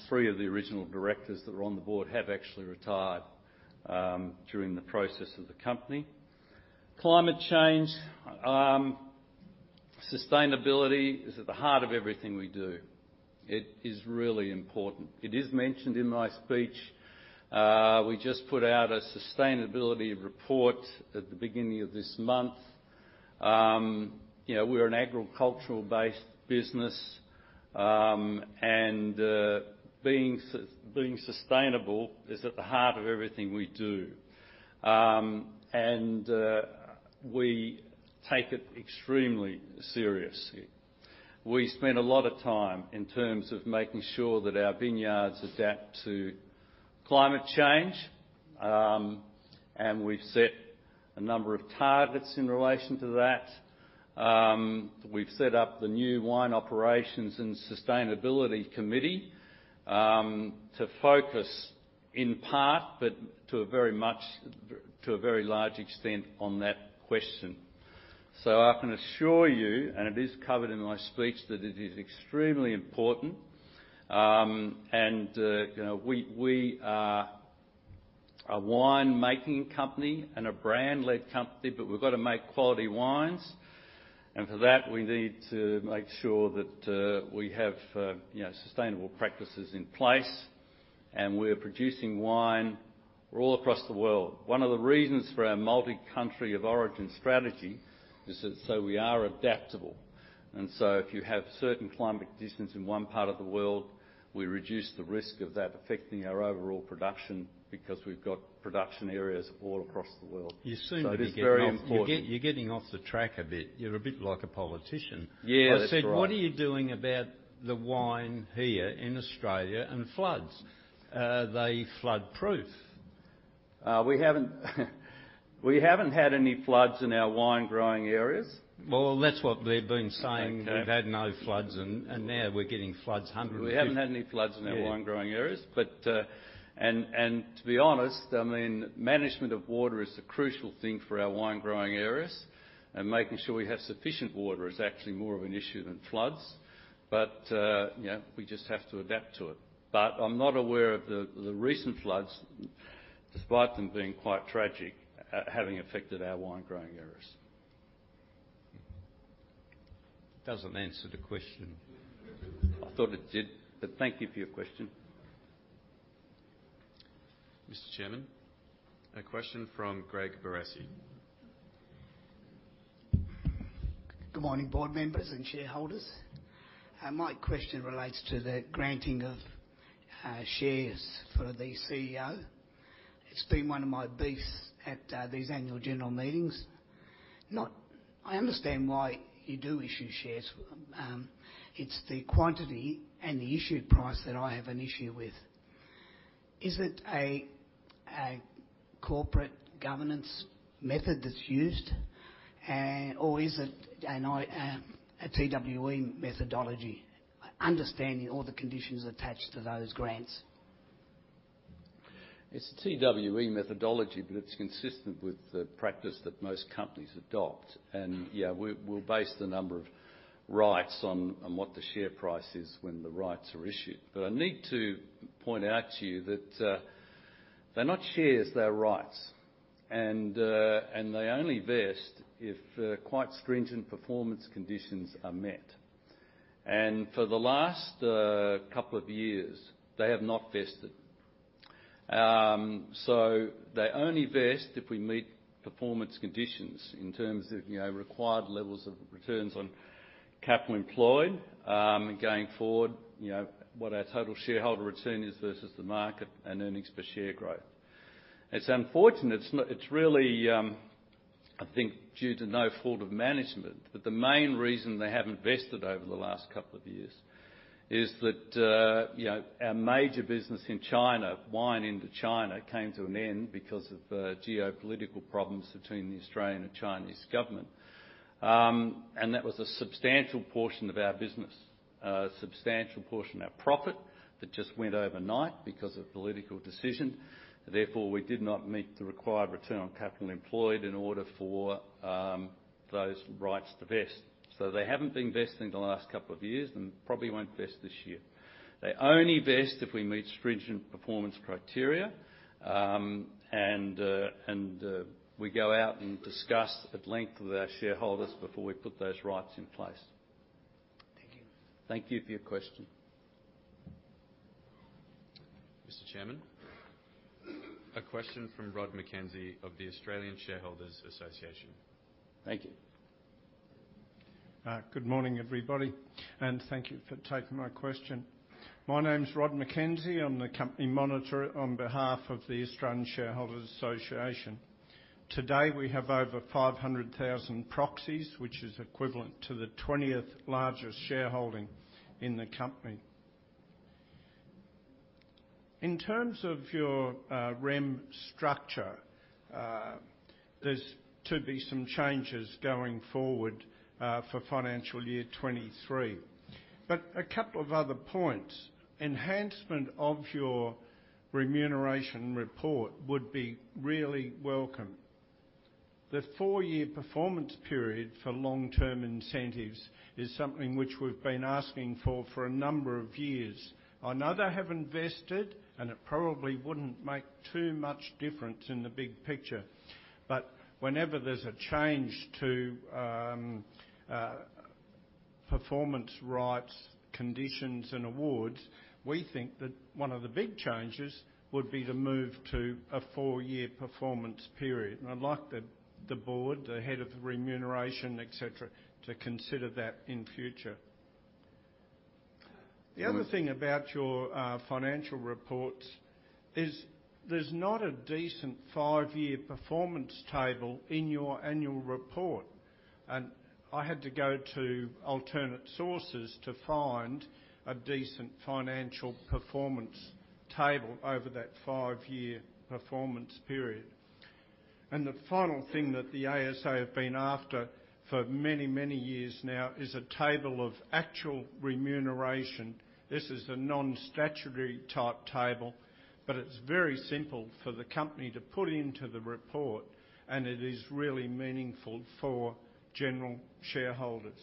Three of the original directors that were on the board have actually retired during the process of the company. Climate change. Sustainability is at the heart of everything we do. It is really important. It is mentioned in my speech. We just put out a sustainability report at the beginning of this month. You know, we're an agricultural-based business. Being sustainable is at the heart of everything we do. We take it extremely seriously. We spend a lot of time in terms of making sure that our vineyards adapt to climate change, and we've set a number of targets in relation to that. We've set up the new Wine Operations and Sustainability Committee to focus in part, but to a very large extent on that question. I can assure you, and it is covered in my speech, that it is extremely important. You know, we are a winemaking company and a brand-led company, but we've got to make quality wines. For that, we need to make sure that we have sustainable practices in place, and we're producing wine all across the world. One of the reasons for our multi-country of origin strategy is so we are adaptable. If you have certain climate conditions in one part of the world, we reduce the risk of that affecting our overall production because we've got production areas all across the world. You seem to be getting off. It is very important. You're getting off the track a bit. You're a bit like a politician. Yeah, that's right. I said, what are you doing about the wine here in Australia and floods? Are they flood-proof? We haven't had any floods in our wine growing areas. Well, that's what they've been saying. Okay. We've had no floods, and now we're getting floods 150. We haven't had any floods in our wine growing areas. Yeah. To be honest, I mean, management of water is a crucial thing for our wine growing areas, and making sure we have sufficient water is actually more of an issue than floods. You know, we just have to adapt to it. I'm not aware of the recent floods, despite them being quite tragic, having affected our wine growing areas. Doesn't answer the question. I thought it did, but thank you for your question. Mr. Chairman, a question from Greg Barassi. Good morning, board members and shareholders. My question relates to the granting of shares for the CEO. It's been one of my beefs at these annual general meetings. I understand why you do issue shares. It's the quantity and the issue price that I have an issue with. Is it a corporate governance method that's used, or is it a TWE methodology? Understanding all the conditions attached to those grants. It's a TWE methodology, but it's consistent with the practice that most companies adopt. Yeah, we'll base the number of rights on what the share price is when the rights are issued. I need to point out to you that they're not shares, they're rights. They only vest if quite stringent performance conditions are met. For the last couple of years, they have not vested. They only vest if we meet performance conditions in terms of, you know, required levels of returns on capital employed, going forward, you know, what our total shareholder return is versus the market and earnings per share growth. It's unfortunate. It's really, I think, due to no fault of management, but the main reason they haven't vested over the last couple of years is that, you know, our major business in China, wine into China, came to an end because of geopolitical problems between the Australian and Chinese government. And that was a substantial portion of our business, a substantial portion of our profit that just went overnight because of political decision. Therefore, we did not meet the required return on capital employed in order for those rights to vest. They haven't been vesting the last couple of years and probably won't vest this year. They only vest if we meet stringent performance criteria, and we go out and discuss at length with our shareholders before we put those rights in place. Thank you. Thank you for your question. Mr. Chairman, a question from Rod McKenzie of the Australian Shareholders' Association. Thank you. Good morning, everybody, and thank you for taking my question. My name's Rod McKenzie. I'm the company monitor on behalf of the Australian Shareholders' Association. Today, we have over 500,000 proxies, which is equivalent to the 20th largest shareholding in the company. In terms of your REM structure, there's to be some changes going forward for financial year 2023. A couple of other points. Enhancement of your remuneration report would be really welcome. The four-year performance period for long-term incentives is something which we've been asking for a number of years. I know they have invested, and it probably wouldn't make too much difference in the big picture. Whenever there's a change to performance rights, conditions, and awards, we think that one of the big changes would be to move to a 4-year performance period. I'd like the board, the head of the remuneration, et cetera, to consider that in future. Rod- The other thing about your financial reports is there's not a decent five-year performance table in your annual report. I had to go to alternate sources to find a decent financial performance table over that five-year performance period. The final thing that the ASA have been after for many, many years now is a table of actual remuneration. This is a non-statutory type table, but it's very simple for the company to put into the report, and it is really meaningful for general shareholders.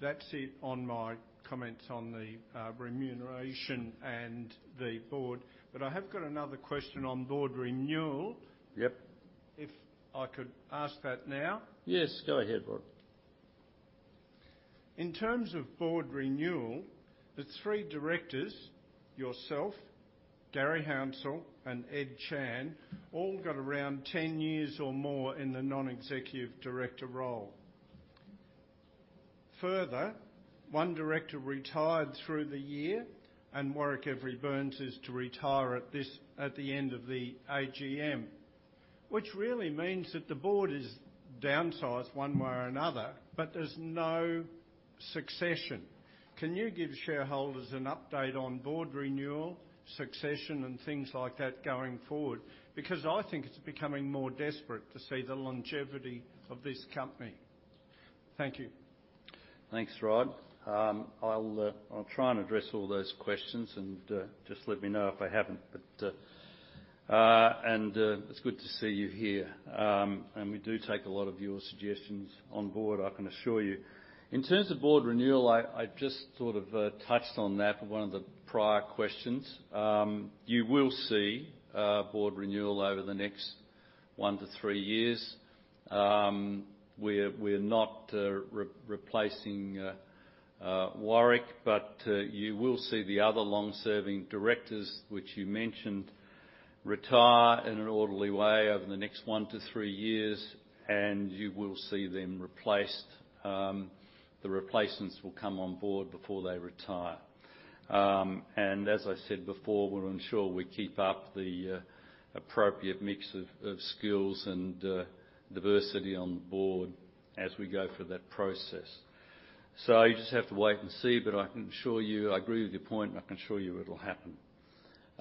That's it on my comments on the remuneration and the board. I have got another question on board renewal. Yep. If I could ask that now? Yes, go ahead, Rod. In terms of board renewal, the three directors, yourself, Garry Hounsell, and Ed Chan, all got around 10 years or more in the non-executive director role. Further, one director retired through the year, and Warwick Every-Burns is to retire at the end of the AGM. Which really means that the board is downsized one way or another, but there's no succession. Can you give shareholders an update on board renewal, succession, and things like that going forward? Because I think it's becoming more desperate to see the longevity of this company. Thank you. Thanks, Rod. I'll try and address all those questions and just let me know if I haven't. It's good to see you here. We do take a lot of your suggestions on board, I can assure you. In terms of board renewal, I just sort of touched on that in one of the prior questions. You will see board renewal over the next 1-3 years. We're not replacing Warwick, but you will see the other long-serving directors, which you mentioned, retire in an orderly way over the next 1-3 years, and you will see them replaced. The replacements will come on board before they retire. As I said before, we'll ensure we keep up the appropriate mix of skills and diversity on the board as we go through that process. You just have to wait and see, but I can assure you, I agree with your point, and I can assure you it'll happen.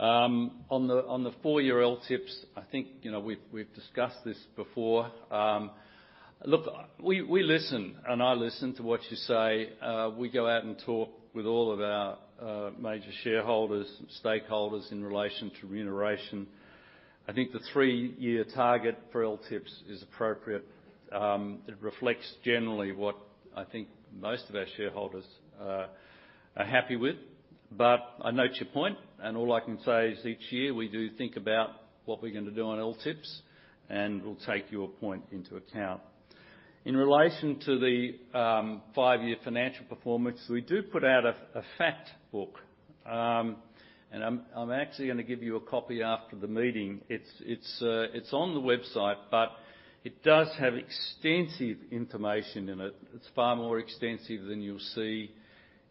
On the four-year LTIPS, I think, you know, we've discussed this before. Look, we listen, and I listen to what you say. We go out and talk with all of our major shareholders, stakeholders in relation to remuneration. I think the three-year target for LTIPS is appropriate. It reflects generally what I think most of our shareholders are happy with, but I note your point, and all I can say is each year we do think about what we're gonna do on LTIPS, and we'll take your point into account. In relation to the five-year financial performance, we do put out a fact book. I'm actually gonna give you a copy after the meeting. It's on the website, but it does have extensive information in it. It's far more extensive than you'll see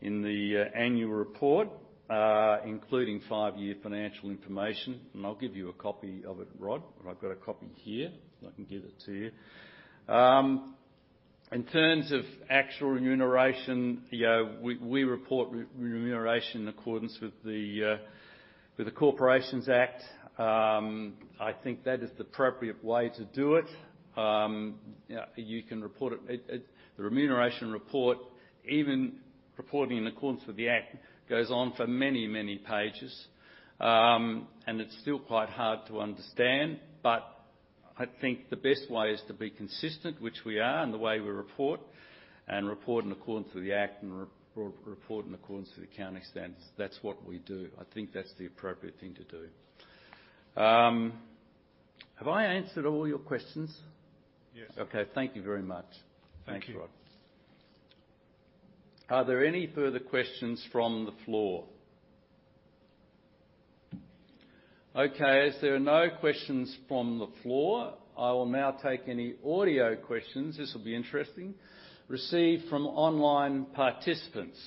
in the annual report, including five-year financial information. I'll give you a copy of it, Rod. I've got a copy here, so I can give it to you. In terms of actual remuneration, you know, we report remuneration in accordance with the Corporations Act. I think that is the appropriate way to do it. You know, you can report it. It, the remuneration report, even reporting in accordance with the Act, goes on for many, many pages. It's still quite hard to understand, but I think the best way is to be consistent, which we are, in the way we report, and report in accordance with the Act and re-report in accordance to the accounting standards. That's what we do. I think that's the appropriate thing to do. Have I answered all your questions? Yes. Okay. Thank you very much. Thank you. Thanks, Rod. Are there any further questions from the floor? Okay, as there are no questions from the floor, I will now take any audio questions, this will be interesting, received from online participants.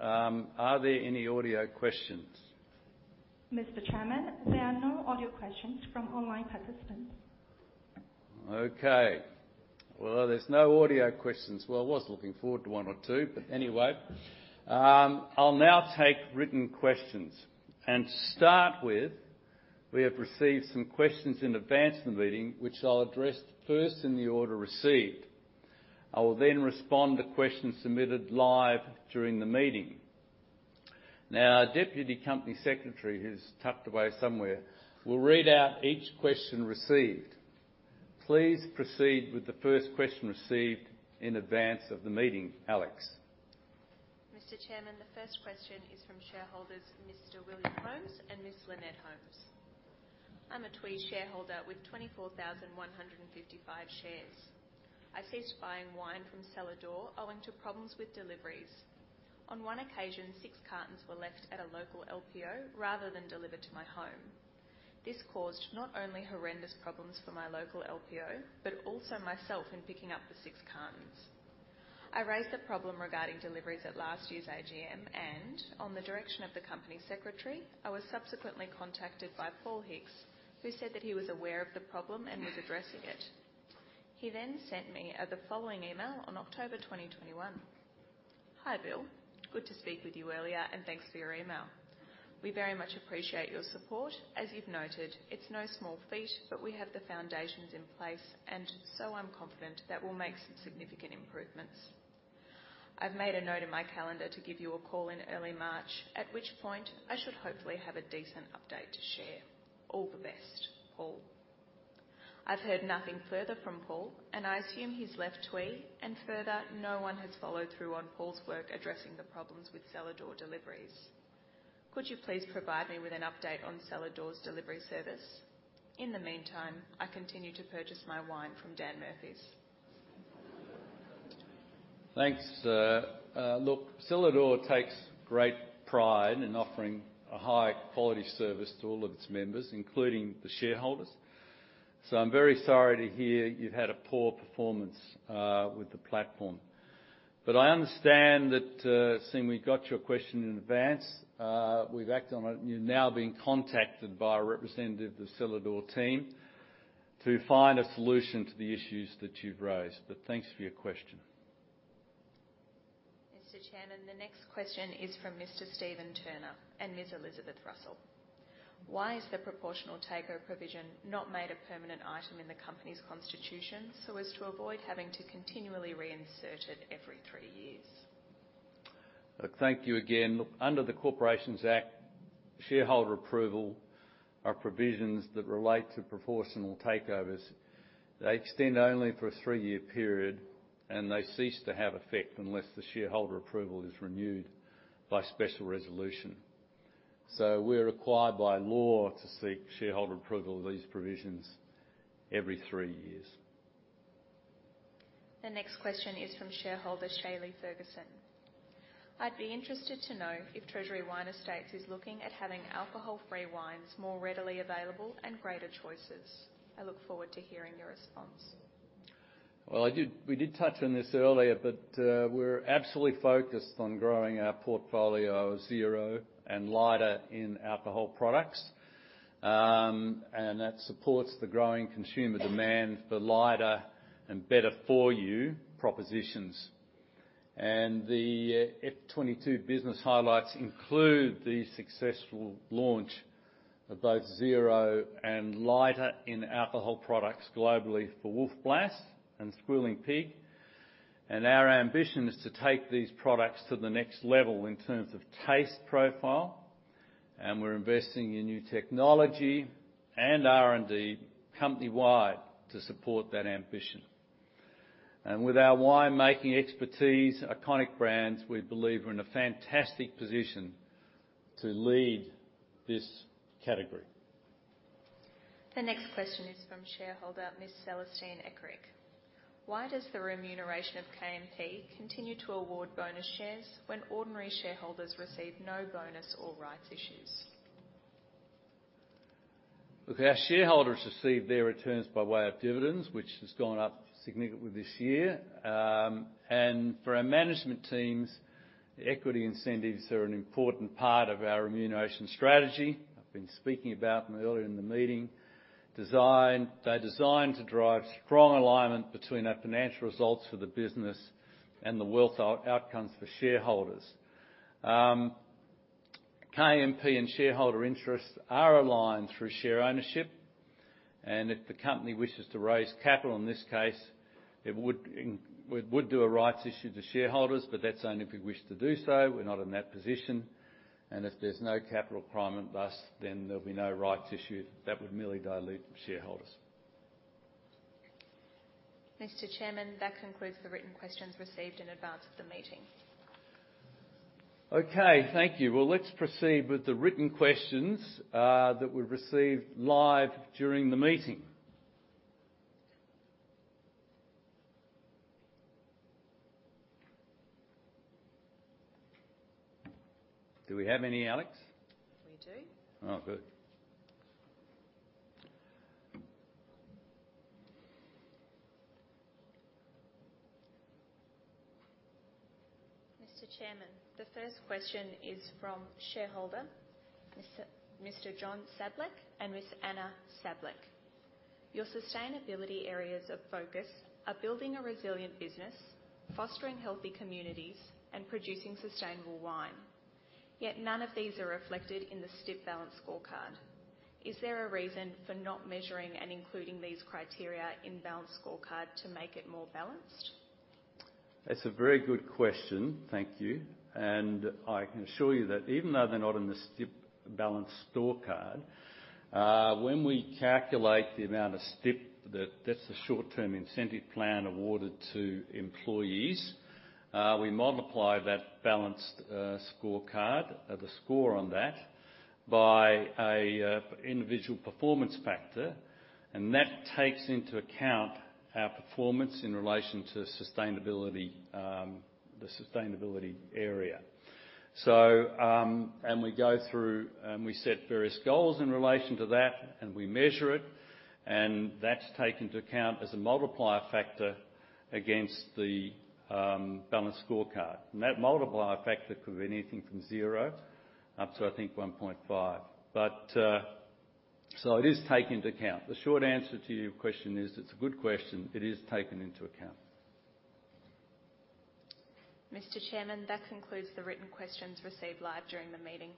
Are there any audio questions? Mr. Chairman, there are no audio questions from online participants. Okay. Well, there's no audio questions. Well, I was looking forward to one or two, but anyway. I'll now take written questions. To start with, we have received some questions in advance of the meeting, which I'll address first in the order received. I will then respond to questions submitted live during the meeting. Now, our deputy company secretary, who's tucked away somewhere, will read out each question received. Please proceed with the first question received in advance of the meeting, Alex. Mr. Chairman, the first question is from shareholders Mr. William Holmes and Ms. Lynette Holmes. "I'm a TWE shareholder with 24,115 shares. I've ceased buying wine from Cellar Door owing to problems with deliveries. On one occasion, six cartons were left at a local LPO rather than delivered to my home. This caused not only horrendous problems for my local LPO, but also myself in picking up the six cartons. I raised a problem regarding deliveries at last year's AGM, and on the direction of the company secretary, I was subsequently contacted by Paul Hicks, who said that he was aware of the problem and was addressing it. He then sent me the following email on October 2021. "Hi, Bill. Good to speak with you earlier, and thanks for your email. We very much appreciate your support. As you've noted, it's no small feat, but we have the foundations in place, and so I'm confident that we'll make some significant improvements. I've made a note in my calendar to give you a call in early March, at which point I should hopefully have a decent update to share. All the best, Paul. I've heard nothing further from Paul, and I assume he's left TWE, and further, no one has followed through on Paul's work addressing the problems with Cellar Door deliveries. Could you please provide me with an update on Cellar Door's delivery service? In the meantime, I continue to purchase my wine from Dan Murphy's. Thanks. Look, Cellar Door takes great pride in offering a high-quality service to all of its members, including the shareholders. I'm very sorry to hear you've had a poor performance with the platform. I understand that, seeing we got your question in advance, we've acted on it, and you're now being contacted by a representative of the Cellar Door team to find a solution to the issues that you've raised. Thanks for your question. Mr. Chairman, the next question is from Mr. Steven Turner and Ms. Elizabeth Russell. Why is the proportional takeover provision not made a permanent item in the company's constitution so as to avoid having to continually reinsert it every three years? Look, thank you again. Under the Corporations Act, shareholder approval are provisions that relate to proportional takeovers. They extend only for a three-year period, and they cease to have effect unless the shareholder approval is renewed by special resolution. We're required by law to seek shareholder approval of these provisions every three years. The next question is from shareholder Shaylee Ferguson. I'd be interested to know if Treasury Wine Estates is looking at having alcohol-free wines more readily available and greater choices. I look forward to hearing your response. Well, we did touch on this earlier, but we're absolutely focused on growing our portfolio of zero and lighter in alcohol products. That supports the growing consumer demand for lighter and better for you propositions. The FY22 business highlights include the successful launch of both zero and lighter in alcohol products globally for Wolf Blass and Squealing Pig. Our ambition is to take these products to the next level in terms of taste profile, and we're investing in new technology and R&D company-wide to support that ambition. With our winemaking expertise, iconic brands, we believe we're in a fantastic position to lead this category. The next question is from shareholder Ms. Celestine Eckrick. Why does the remuneration of KMP continue to award bonus shares when ordinary shareholders receive no bonus or rights issues? Look, our shareholders receive their returns by way of dividends, which has gone up significantly this year. For our management teams, the equity incentives are an important part of our remuneration strategy. I've been speaking about them earlier in the meeting. They're designed to drive strong alignment between our financial results for the business and the wealth outcomes for shareholders. KMP and shareholder interests are aligned through share ownership, and if the company wishes to raise capital, we would do a rights issue to shareholders, but that's only if we wish to do so. We're not in that position. If there's no capital requirement thus, then there'll be no rights issue. That would merely dilute shareholders. Mr. Chairman, that concludes the written questions received in advance of the meeting. Okay, thank you. Well, let's proceed with the written questions that we've received live during the meeting. Do we have any, Alex? We do. Oh, good. Mr. Chairman, the first question is from shareholder, Mr. John Sablik and Ms. Anna Sablik. Your sustainability areas of focus are building a resilient business, fostering healthy communities, and producing sustainable wine. Yet none of these are reflected in the STIP balanced scorecard. Is there a reason for not measuring and including these criteria in balanced scorecard to make it more balanced? That's a very good question. Thank you. I can assure you that even though they're not in the STIP balanced scorecard, when we calculate the amount of STIP, that's the Short-Term Incentive Plan awarded to employees, we multiply that balanced scorecard, the score on that, by an individual performance factor, and that takes into account our performance in relation to sustainability, the sustainability area. We go through and we set various goals in relation to that, and we measure it, and that's taken into account as a multiplier factor against the balanced scorecard. That multiplier factor could be anything from zero up to, I think, 1.5. It is taken into account. The short answer to your question is, it's a good question, it is taken into account. Mr. Chairman, that concludes the written questions received live during the meeting.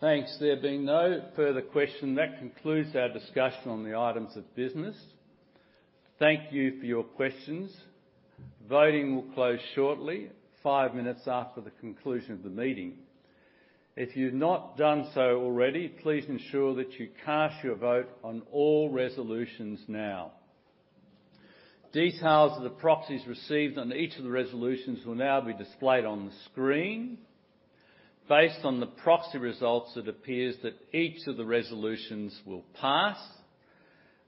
Thanks. There being no further question, that concludes our discussion on the items of business. Thank you for your questions. Voting will close shortly, five minutes after the conclusion of the meeting. If you've not done so already, please ensure that you cast your vote on all resolutions now. Details of the proxies received on each of the resolutions will now be displayed on the screen. Based on the proxy results, it appears that each of the resolutions will pass.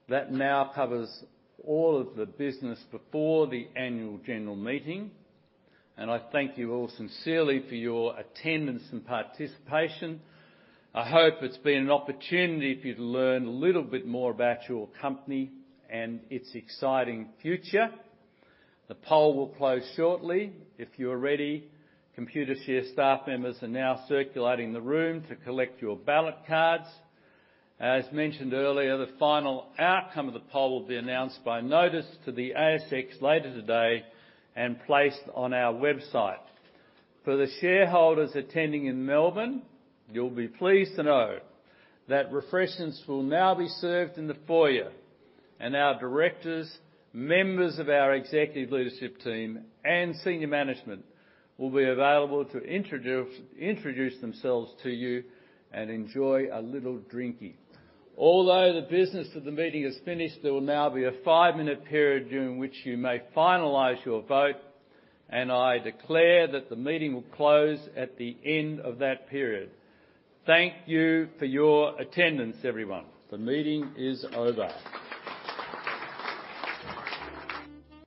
That now covers all of the business before the annual general meeting, and I thank you all sincerely for your attendance and participation. I hope it's been an opportunity for you to learn a little bit more about your company and its exciting future. The poll will close shortly. If you're ready, Computershare staff members are now circulating the room to collect your ballot cards. As mentioned earlier, the final outcome of the poll will be announced by notice to the ASX later today and placed on our website. For the shareholders attending in Melbourne, you'll be pleased to know that refreshments will now be served in the foyer, and our directors, members of our executive leadership team, and senior management will be available to introduce themselves to you and enjoy a little drinky. Although the business of the meeting is finished, there will now be a five-minute period during which you may finalize your vote, and I declare that the meeting will close at the end of that period. Thank you for your attendance, everyone. The meeting is over.